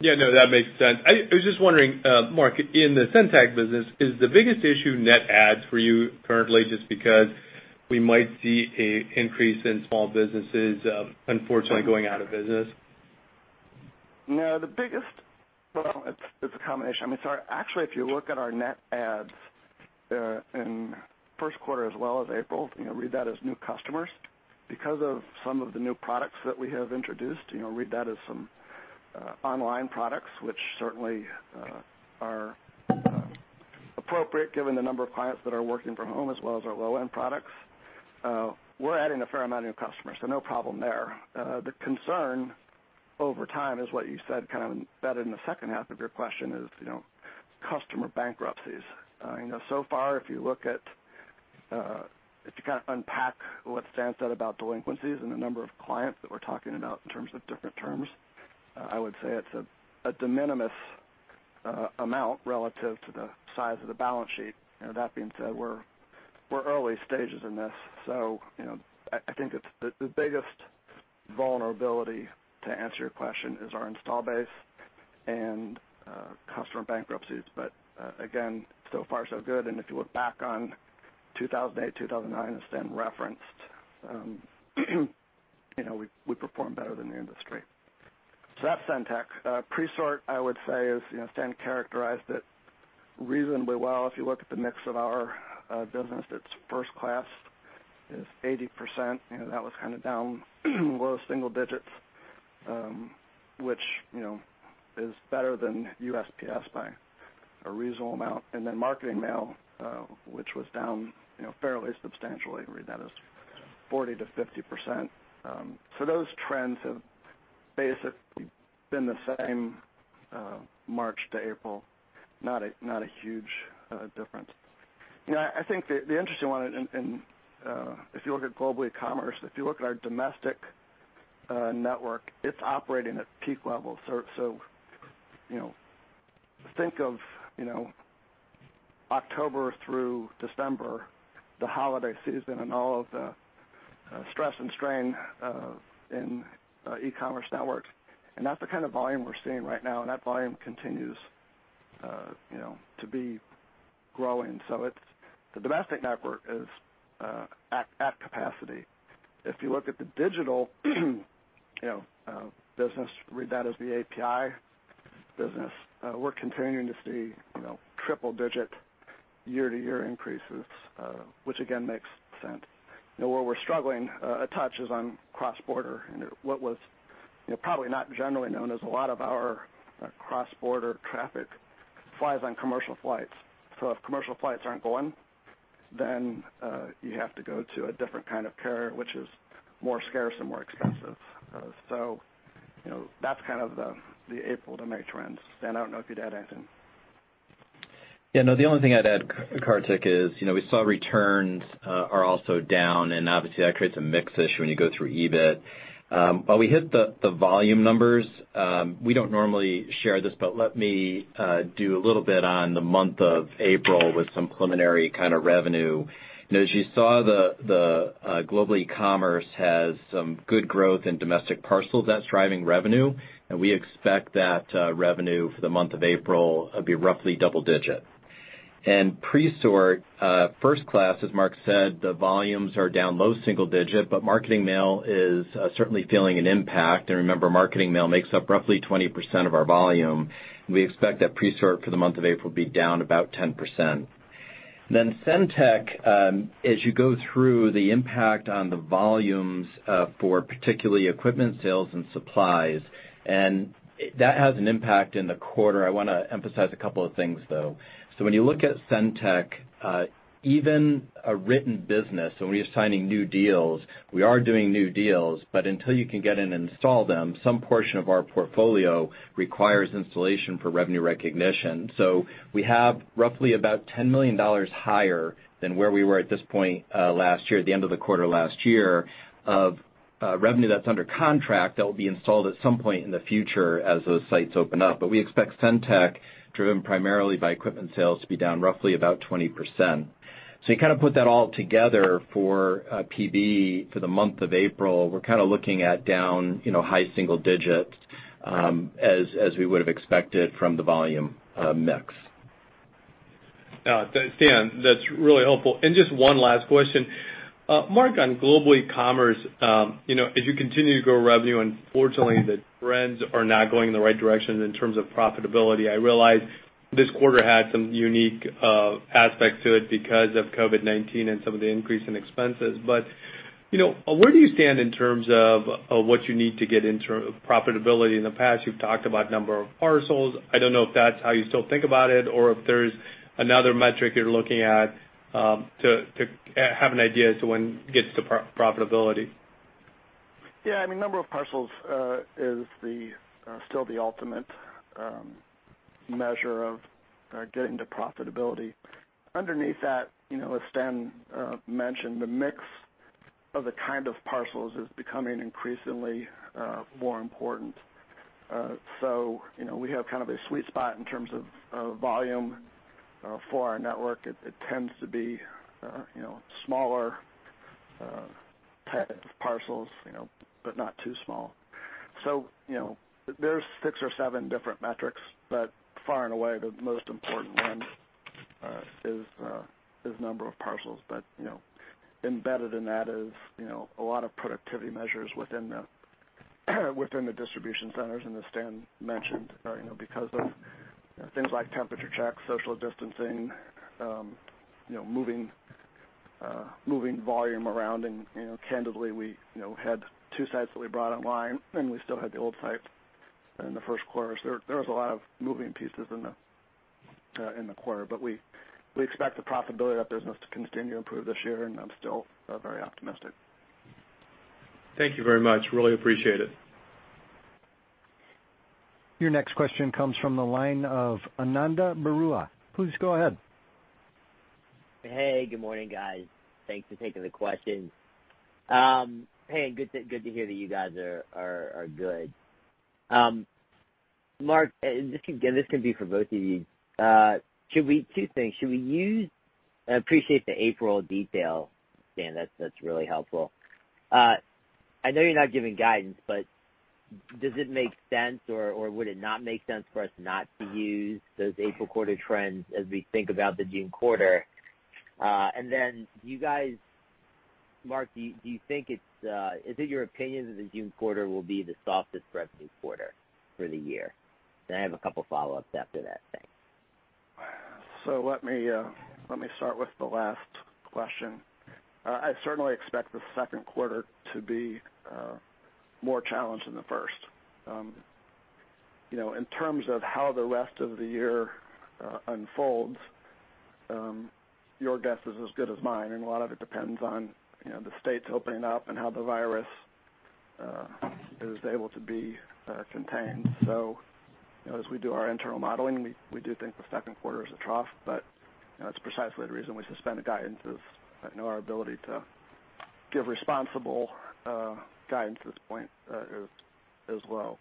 Yeah. No, that makes sense. I was just wondering, Marc, in the SendTech business, is the biggest issue net adds for you currently just because we might see an increase in small businesses, unfortunately, going out of business? No. Well, it's a combination. I mean, actually if you look at if you kind of unpack what Stan said about delinquencies and the number of clients that we're talking about in terms of different terms, I would say it's a de minimis amount relative to the size of the balance sheet. That being said, we're early stages in this. I think the biggest vulnerability, to answer your question, is our install base and customer bankruptcies. Again, so far so good. If you look back on 2008, 2009, as Stan referenced, we performed better than the industry. That's SendTech. Presort Services, I would say, as Stan characterized it reasonably well. If you look at the mix of our business, it's first class is 80%, that was kind of down low single digits, which is better than USPS by a reasonable amount. Marketing mail, which was down fairly substantially, read that as 40%-50%. Those trends have basically been the same March to April. Not a huge difference. I think the interesting one, if you look at Global Ecommerce, if you look at our domestic network, it's operating at peak levels. Think of October through December, the holiday season, and all of the stress and strain in ecommerce networks, and that's the kind of volume we're seeing right now, and that volume continues to be growing. The domestic network is at capacity. If you look at the digital business, read that as the API business, we're continuing to see triple-digit year-to-year increases, which again makes sense. Where we're struggling a touch is on cross-border. What was probably not generally known is a lot of our cross-border traffic flies on commercial flights. If commercial flights aren't going, then you have to go to a different kind of carrier, which is more scarce and more expensive. That's kind of the April to May trends. Stan, I don't know if you'd add anything. Yeah, no, the only thing I'd add, Kartik, is we saw returns are also down. Obviously that creates a mix issue when you go through EBIT. We hit the volume numbers. We don't normally share this. Let me do a little bit on the month of April with some preliminary kind of revenue. As you saw, the Global Ecommerce has some good growth in domestic parcels. That's driving revenue. We expect that revenue for the month of April will be roughly double-digit. Presort, First Class, as Marc said, the volumes are down low single-digit. Marketing Mail is certainly feeling an impact. Remember, Marketing Mail makes up roughly 20% of our volume. We expect that Presort for the month of April will be down about 10%. SendTech, as you go through the impact on the volumes for particularly equipment sales and supplies, and that has an impact in the quarter. I want to emphasize a couple of things, though. When you look at SendTech, even a written business, when we're signing new deals, we are doing new deals, but until you can get in and install them, some portion of our portfolio requires installation for revenue recognition. We have roughly about $10 million higher than where we were at this point last year, at the end of the quarter last year, of revenue that's under contract that will be installed at some point in the future as those sites open up. We expect SendTech, driven primarily by equipment sales, to be down roughly about 20%. You put that all together for PB for the month of April, we're looking at down high single digits as we would have expected from the volume mix. Stan, that's really helpful. Just one last question. Marc, on Global Ecommerce, as you continue to grow revenue, unfortunately the trends are not going in the right direction in terms of profitability. I realize this quarter had some unique aspects to it because of COVID-19 and some of the increase in expenses. Where do you stand in terms of what you need to get into profitability? In the past, you've talked about number of parcels. I don't know if that's how you still think about it, or if there's another metric you're looking at to have an idea as to when it gets to profitability. Yeah, number of parcels is still the ultimate measure of getting to profitability. Underneath that, as Stan mentioned, the mix of the kind of parcels is becoming increasingly more important. We have kind of a sweet spot in terms of volume for our network. It tends to be smaller parcels, but not too small. There's six or seven different metrics, but far and away, the most important one is number of parcels. Embedded in that is a lot of productivity measures within the distribution centers. As Stan mentioned, because of things like temperature checks, social distancing, moving volume around, and candidly, we had two sites that we brought online, and we still had the old site in the first quarter. There was a lot of moving pieces in the quarter. We expect the profitability of that business to continue to improve this year, and I'm still very optimistic. Thank you very much. Really appreciate it. Your next question comes from the line of Ananda Baruah. Please go ahead. Hey, good morning, guys. Thanks for taking the questions. Hey, good to hear that you guys are good. Marc, this can be for both of you. Two things. I appreciate the April detail, Stan. That's really helpful. I know you're not giving guidance, but does it make sense, or would it not make sense for us not to use those April quarter trends as we think about the June quarter? Then, Marc, is it your opinion that the June quarter will be the softest revenue quarter for the year? Then I have a couple follow-ups after that, thanks. Let me start with the last question. I certainly expect the second quarter to be more challenged than the first. In terms of how the rest of the year unfolds, your guess is as good as mine, and a lot of it depends on the states opening up and how the virus is able to be contained. As we do our internal modeling, we do think the second quarter is a trough, but that's precisely the reason we suspend the guidance is our ability to give responsible guidance at this point as well.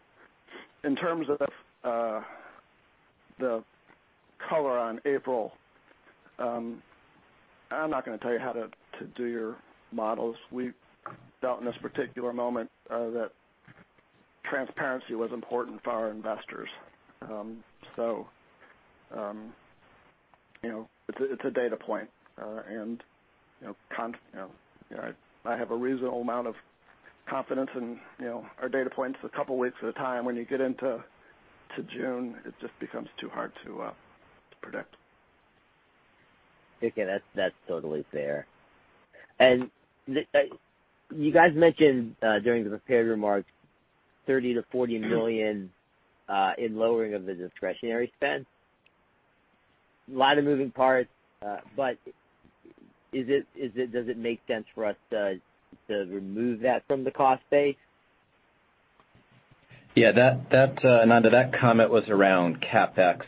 In terms of the color on April, I'm not going to tell you how to do your models. We felt in this particular moment that transparency was important for our investors. It's a data point. I have a reasonable amount of confidence in our data points a couple weeks at a time. When you get into June, it just becomes too hard to predict. Okay. That's totally fair. You guys mentioned during the prepared remarks, $30 million-$40 million in lowering of the discretionary spend. A lot of moving parts, does it make sense for us to remove that from the cost base? Yeah. Ananda, that comment was around CapEx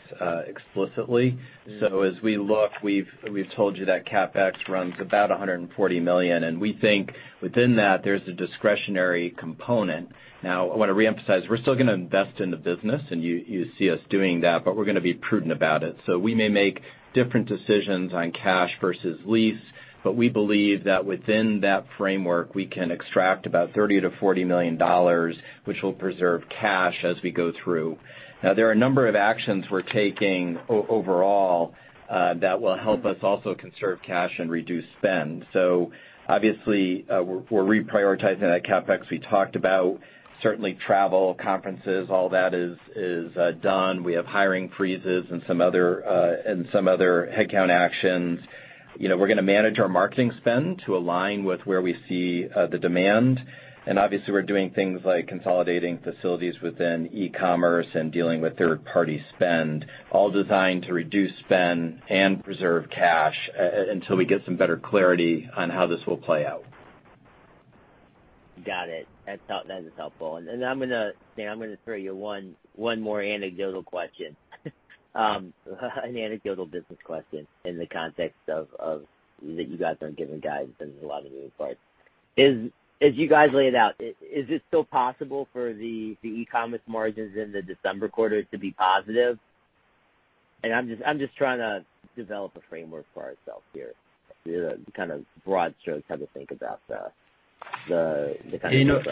explicitly. As we look, we've told you that CapEx runs about $140 million, and we think within that, there's a discretionary component. I want to reemphasize, we're still going to invest in the business, and you see us doing that, but we're going to be prudent about it. We may make different decisions on cash versus lease, but we believe that within that framework, we can extract about $30 million-$40 million, which will preserve cash as we go through. There are a number of actions we're taking overall that will help us also conserve cash and reduce spend. Obviously, we're reprioritizing that CapEx we talked about. Certainly travel, conferences, all that is done. We have hiring freezes and some other headcount actions. We're going to manage our marketing spend to align with where we see the demand. Obviously we're doing things like consolidating facilities within Ecommerce and dealing with third-party spend, all designed to reduce spend and preserve cash until we get some better clarity on how this will play out. Got it. That is helpful. I'm going to throw you one more anecdotal question, an anecdotal business question in the context of that you guys aren't giving guidance in a lot of new parts. As you guys laid out, is it still possible for the e-commerce margins in the December quarter to be positive? I'm just trying to develop a framework for ourselves here, the kind of broad strokes how to think about the kind of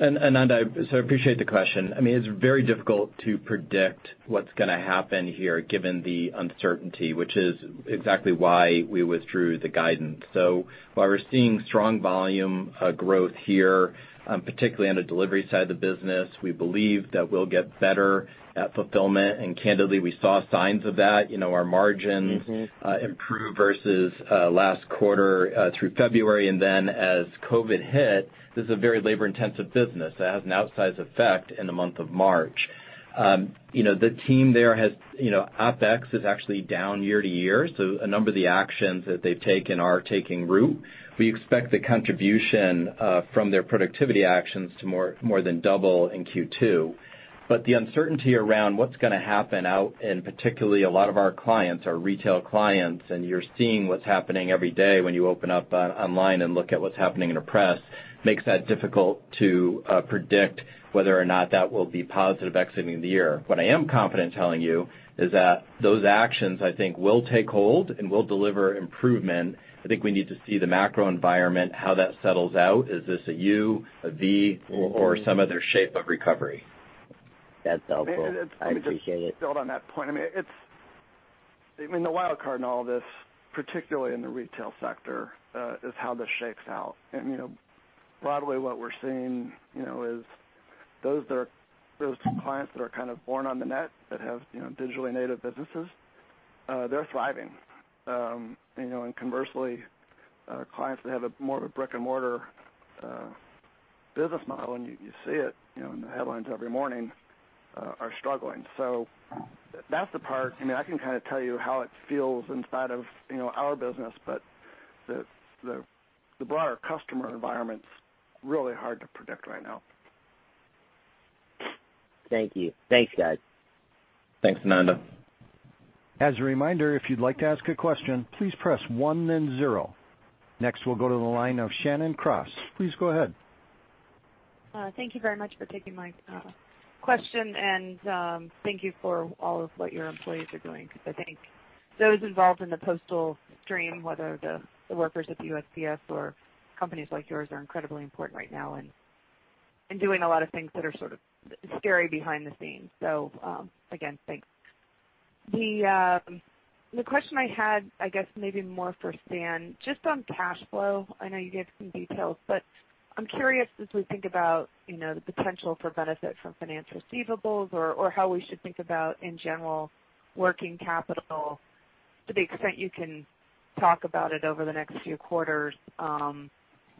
programs. I appreciate the question. It's very difficult to predict what's going to happen here given the uncertainty, which is exactly why we withdrew the guidance. While we're seeing strong volume growth here, particularly on the delivery side of the business, we believe that we'll get better at fulfillment. Candidly, we saw signs of that. Our margins. improved versus last quarter through February. As COVID-19 hit, this is a very labor-intensive business that has an outsize effect in the month of March. The team there, OPEX is actually down year-to-year, so a number of the actions that they've taken are taking root. We expect the contribution from their productivity actions to more than double in Q2. The uncertainty around what's going to happen out, and particularly a lot of our clients are retail clients, and you're seeing what's happening every day when you open up online and look at what's happening in the press, makes that difficult to predict whether or not that will be positive exiting the year. What I am confident telling you is that those actions, I think, will take hold and will deliver improvement. I think we need to see the macro environment, how that settles out. Is this a U? Some other shape of recovery? That's helpful. I appreciate it. Let me just build on that point. The wild card in all of this, particularly in the retail sector, is how this shakes out. Broadly what we're seeing is those clients that are kind of born on the net, that have digitally native businesses, they're thriving. Conversely, clients that have more of a brick-and-mortar business model, and you see it in the headlines every morning, are struggling. That's the part, I can kind of tell you how it feels inside of our business, but the broader customer environment's really hard to predict right now. Thank you. Thanks, guys. Thanks, Nanda. Next, we'll go to the line of Shannon Cross. Please go ahead. Thank you very much for taking my question, and thank you for all of what your employees are doing, because I think those involved in the postal stream, whether the workers at the USPS or companies like yours, are incredibly important right now and doing a lot of things that are sort of scary behind the scenes. Again, thanks. The question I had, I guess maybe more for Stan, just on cash flow. I know you gave some details, but I'm curious as we think about the potential for benefit from finance receivables or how we should think about, in general, working capital to the extent you can talk about it over the next few quarters,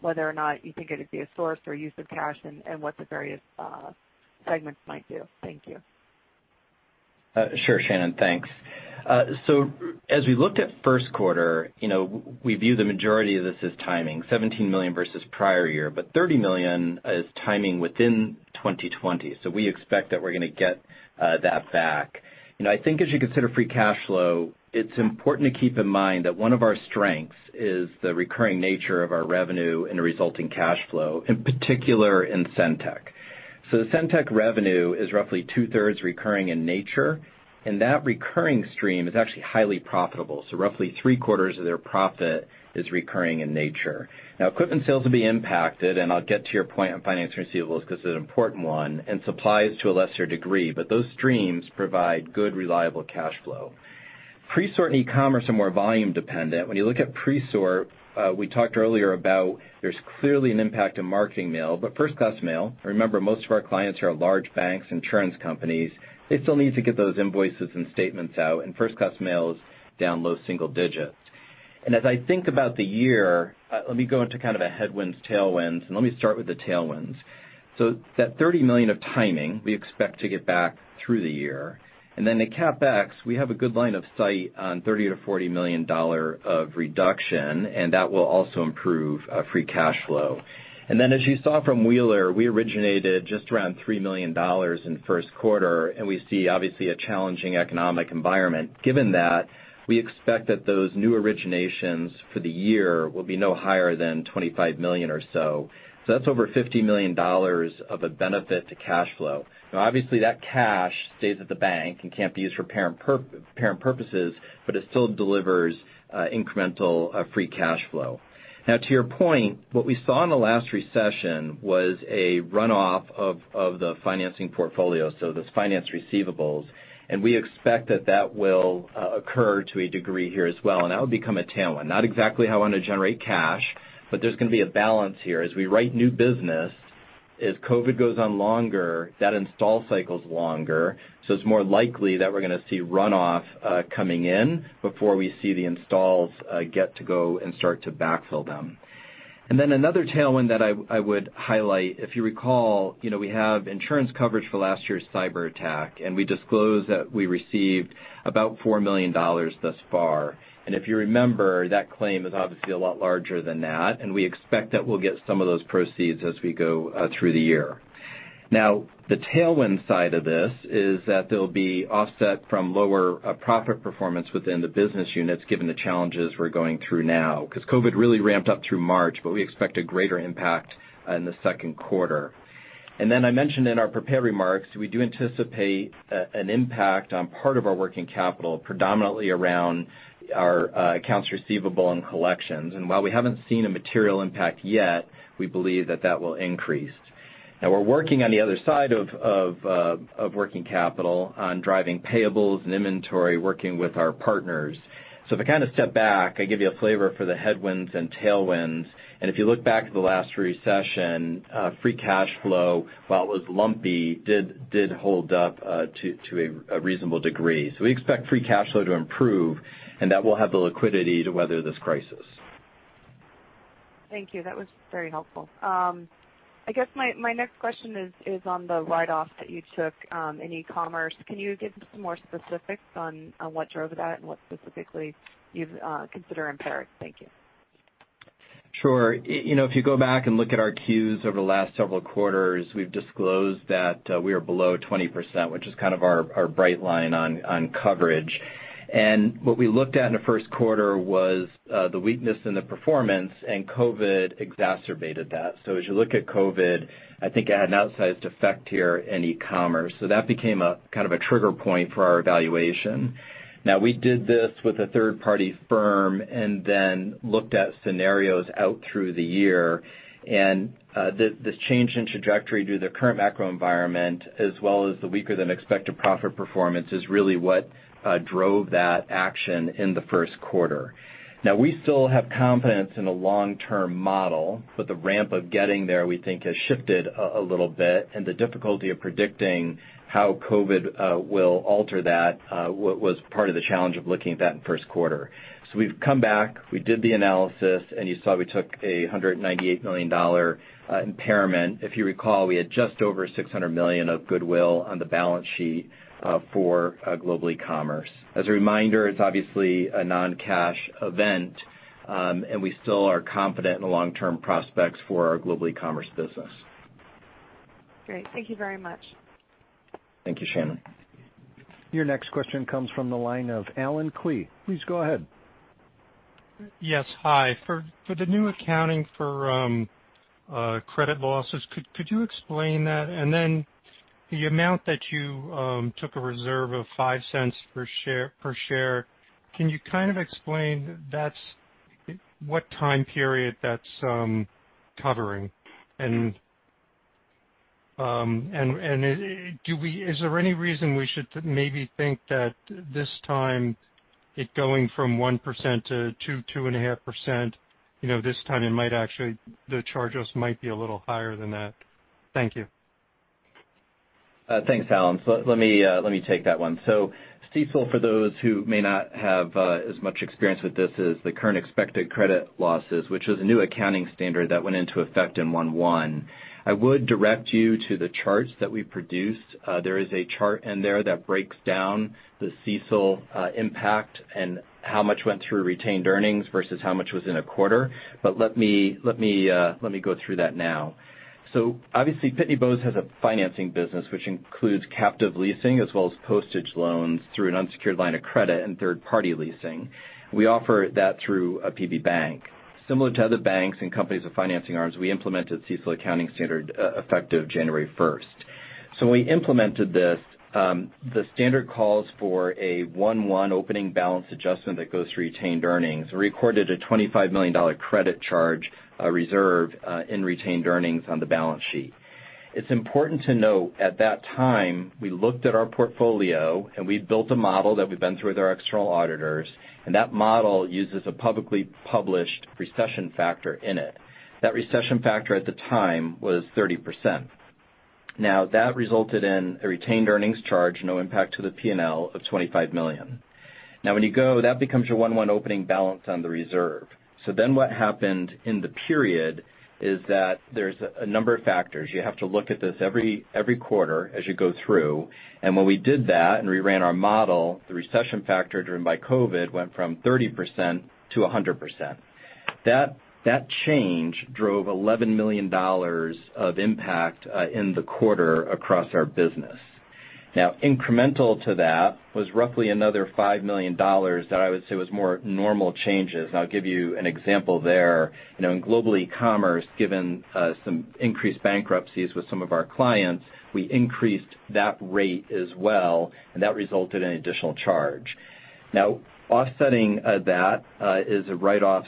whether or not you think it'd be a source or use of cash and what the various segments might do. Thank you. Sure, Shannon, thanks. As we looked at first quarter, we view the majority of this as timing, $17 million versus prior year, but $30 million as timing within 2020. We expect that we're going to get that back. I think as you consider free cash flow, it's important to keep in mind that one of our strengths is the recurring nature of our revenue and the resulting cash flow, in particular in SendTech. The SendTech revenue is roughly two-thirds recurring in nature, and that recurring stream is actually highly profitable. Roughly three-quarters of their profit is recurring in nature. Now, equipment sales will be impacted, and I'll get to your point on finance receivables because it's an important one, and supplies to a lesser degree, but those streams provide good, reliable cash flow. Presort and Global Ecommerce are more volume dependent. When you look at Presort, we talked earlier about there's clearly an impact in marketing mail. First-class mail, remember, most of our clients here are large banks, insurance companies, they still need to get those invoices and statements out, and first-class mail is down low single digits. As I think about the year, let me go into kind of a headwinds, tailwinds, and let me start with the tailwinds. That $30 million of timing, we expect to get back through the year. The CapEx, we have a good line of sight on $30 million-$40 million of reduction, and that will also improve free cash flow. As you saw from Wheeler, we originated just around $3 million in the first quarter, and we see, obviously, a challenging economic environment. Given that, we expect that those new originations for the year will be no higher than $25 million or so. That's over $50 million of a benefit to cash flow. Obviously, that cash stays at the bank and can't be used for parent purposes, but it still delivers incremental free cash flow. To your point, what we saw in the last recession was a runoff of the financing portfolio, so those finance receivables, and we expect that that will occur to a degree here as well, and that would become a tailwind. Not exactly how I want to generate cash, but there's going to be a balance here as we write new business. As COVID goes on longer, that install cycle is longer, so it's more likely that we're going to see runoff coming in before we see the installs get to go and start to backfill them. Then another tailwind that I would highlight, if you recall, we have insurance coverage for last year's cyber attack, and we disclosed that we received about $4 million thus far. If you remember, that claim is obviously a lot larger than that, and we expect that we'll get some of those proceeds as we go through the year. Now, the tailwind side of this is that there'll be offset from lower profit performance within the business units, given the challenges we're going through now. Because COVID-19 really ramped up through March, but we expect a greater impact in the second quarter. Then I mentioned in our prepared remarks, we do anticipate an impact on part of our working capital, predominantly around our accounts receivable and collections. While we haven't seen a material impact yet, we believe that that will increase. Now we're working on the other side of working capital on driving payables and inventory, working with our partners. If I step back, I give you a flavor for the headwinds and tailwinds, and if you look back at the last recession, free cash flow, while it was lumpy, did hold up to a reasonable degree. We expect free cash flow to improve and that we'll have the liquidity to weather this crisis. Thank you. That was very helpful. I guess my next question is on the write-off that you took in E-commerce. Can you give me some more specifics on what drove that and what specifically you'd consider impaired? Thank you. Sure. If you go back and look at our Qs over the last several quarters, we've disclosed that we are below 20%, which is kind of our bright line on coverage. What we looked at in the first quarter was the weakness in the performance, and COVID exacerbated that. As you look at COVID, I think it had an outsized effect here in e-commerce. That became a trigger point for our evaluation. Now, we did this with a third-party firm and then looked at scenarios out through the year. This change in trajectory due to the current macro environment, as well as the weaker than expected profit performance, is really what drove that action in the first quarter. We still have confidence in a long-term model, but the ramp of getting there, we think, has shifted a little bit, and the difficulty of predicting how COVID will alter that was part of the challenge of looking at that in first quarter. We've come back, we did the analysis, and you saw we took a $198 million impairment. If you recall, we had just over $600 million of goodwill on the balance sheet for Global Ecommerce. As a reminder, it's obviously a non-cash event, and we still are confident in the long-term prospects for our Global Ecommerce business. Great. Thank you very much. Thank you, Shannon. Your next question comes from the line of Allen Klee. Please go ahead. Yes. Hi. For the new accounting for credit losses, could you explain that? The amount that you took a reserve of $0.05 per share, can you kind of explain what time period that's covering? Is there any reason we should maybe think that this time it going from 1%-2.5% this time the charges might be a little higher than that? Thank you. Thanks, Allen. Let me take that one. CECL, for those who may not have as much experience with this, is the Current Expected Credit Losses, which is a new accounting standard that went into effect in 1/1. I would direct you to the charts that we produced. There is a chart in there that breaks down the CECL impact and how much went through retained earnings versus how much was in a quarter. Let me go through that now. Obviously, Pitney Bowes has a financing business which includes captive leasing as well as postage loans through an unsecured line of credit and third-party leasing. We offer that through PB Bank. Similar to other banks and companies with financing arms, we implemented CECL accounting standard effective January 1st. When we implemented this, the standard calls for a 1/1 opening balance adjustment that goes to retained earnings. We recorded a $25 million credit charge reserve in retained earnings on the balance sheet. It's important to note at that time, we looked at our portfolio and we built a model that we've been through with our external auditors, and that model uses a publicly published recession factor in it. That recession factor at the time was 30%. That resulted in a retained earnings charge, no impact to the P&L, of $25 million. When you go, that becomes your 1/1 opening balance on the reserve. What happened in the period is that there's a number of factors. You have to look at this every quarter as you go through. When we did that and we ran our model, the recession factor driven by COVID-19 went from 30%-100%. That change drove $11 million of impact in the quarter across our business. Incremental to that was roughly another $5 million that I would say was more normal changes, and I'll give you an example there. In Global Ecommerce, given some increased bankruptcies with some of our clients, we increased that rate as well, and that resulted in an additional charge. Offsetting that is a write-off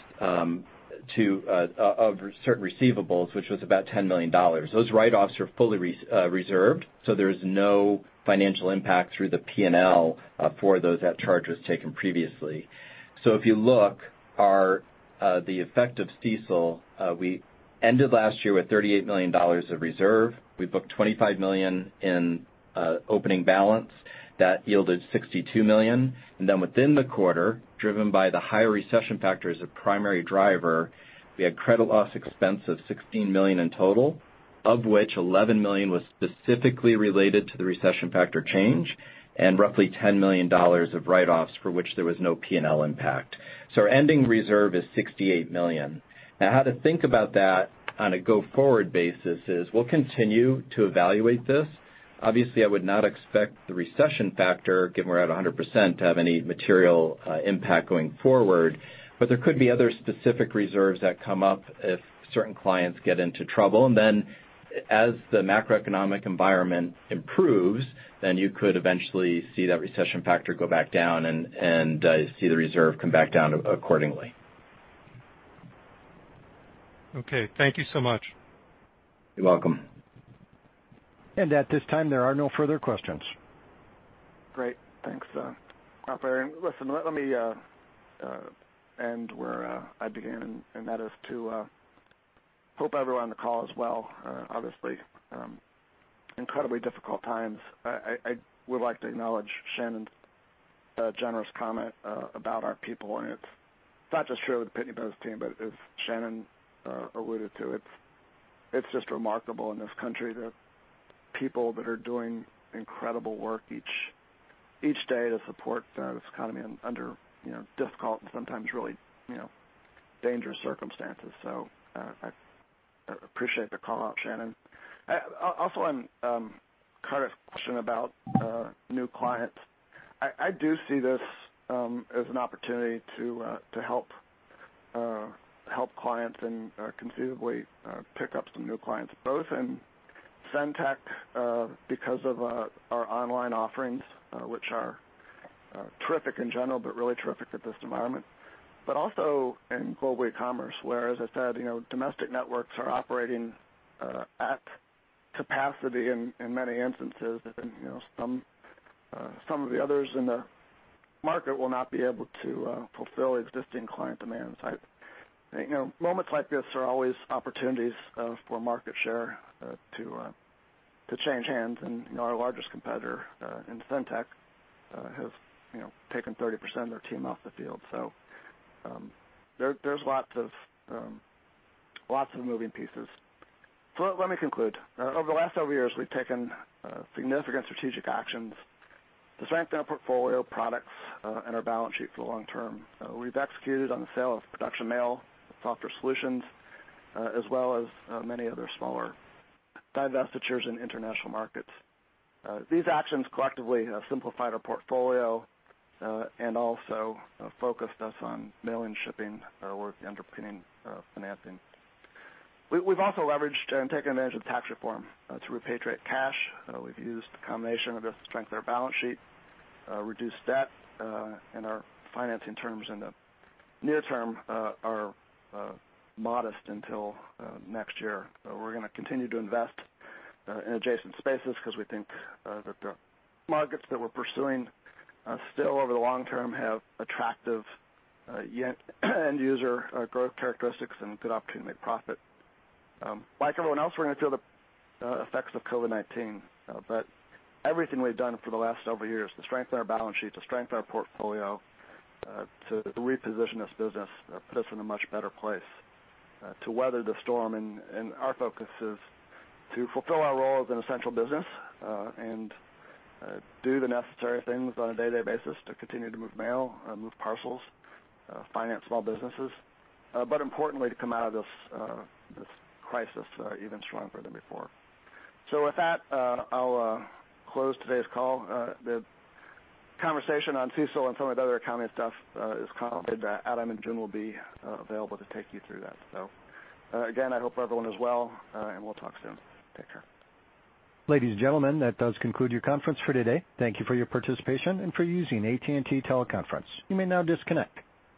of certain receivables, which was about $10 million. Those write-offs are fully reserved, so there's no financial impact through the P&L for those charges taken previously. If you look, the effect of CECL, we ended last year with $38 million of reserve. We booked $25 million in opening balance. That yielded $62 million. Within the quarter, driven by the higher recession factor as a primary driver, we had credit loss expense of $16 million in total, of which $11 million was specifically related to the recession factor change, and roughly $10 million of write-offs for which there was no P&L impact. Our ending reserve is $68 million. How to think about that on a go-forward basis is we'll continue to evaluate this. I would not expect the recession factor, given we're at 100%, to have any material impact going forward. There could be other specific reserves that come up if certain clients get into trouble. As the macroeconomic environment improves, you could eventually see that recession factor go back down and see the reserve come back down accordingly. Okay. Thank you so much. You're welcome. At this time, there are no further questions. Great. Thanks, operator. Listen, let me end where I began, and that is to hope everyone on the call is well. Obviously, incredibly difficult times. I would like to acknowledge Shannon's generous comment about our people, and it's not just true of the Pitney Bowes team, but as Shannon alluded to, it's just remarkable in this country the people that are doing incredible work each day to support this economy under difficult and sometimes really dangerous circumstances. I appreciate the call-out, Shannon. Also, on Kartik's question about new clients, I do see this as an opportunity to help clients and conceivably pick up some new clients, both in SendTech because of our online offerings, which are terrific in general, but really terrific at this environment. Also in Global Ecommerce, where, as I said, domestic networks are operating at capacity in many instances, and some of the others in the market will not be able to fulfill existing client demands. I think moments like this are always opportunities for market share to change hands, and our largest competitor in SendTech has taken 30% of their team off the field. There's lots of moving pieces. Let me conclude. Over the last several years, we've taken significant strategic actions to strengthen our portfolio of products and our balance sheet for the long term. We've executed on the sale of Production Mail, Software Solutions, as well as many other smaller divestitures in international markets. These actions collectively have simplified our portfolio, and also focused us on mailing, shipping, or working under financing. We've also leveraged and taken advantage of tax reform to repatriate cash. We've used a combination of this to strengthen our balance sheet, reduce debt, and our financing terms in the near term are modest until next year. We're going to continue to invest in adjacent spaces because we think that the markets that we're pursuing still over the long term have attractive end-user growth characteristics and good opportunity to make profit. Like everyone else, we're going to feel the effects of COVID-19. Everything we've done for the last several years to strengthen our balance sheet, to strengthen our portfolio, to reposition this business, put us in a much better place to weather the storm. Our focus is to fulfill our role as an essential business, and do the necessary things on a day-to-day basis to continue to move mail, move parcels, finance small businesses, but importantly, to come out of this crisis even stronger than before. With that, I'll close today's call. The conversation on CECL and some of the other accounting stuff is complicated. Adam and June will be available to take you through that. Again, I hope everyone is well, and we'll talk soon. Take care. Ladies and gentlemen, that does conclude your conference for today. Thank you for your participation and for using AT&T Teleconference. You may now disconnect.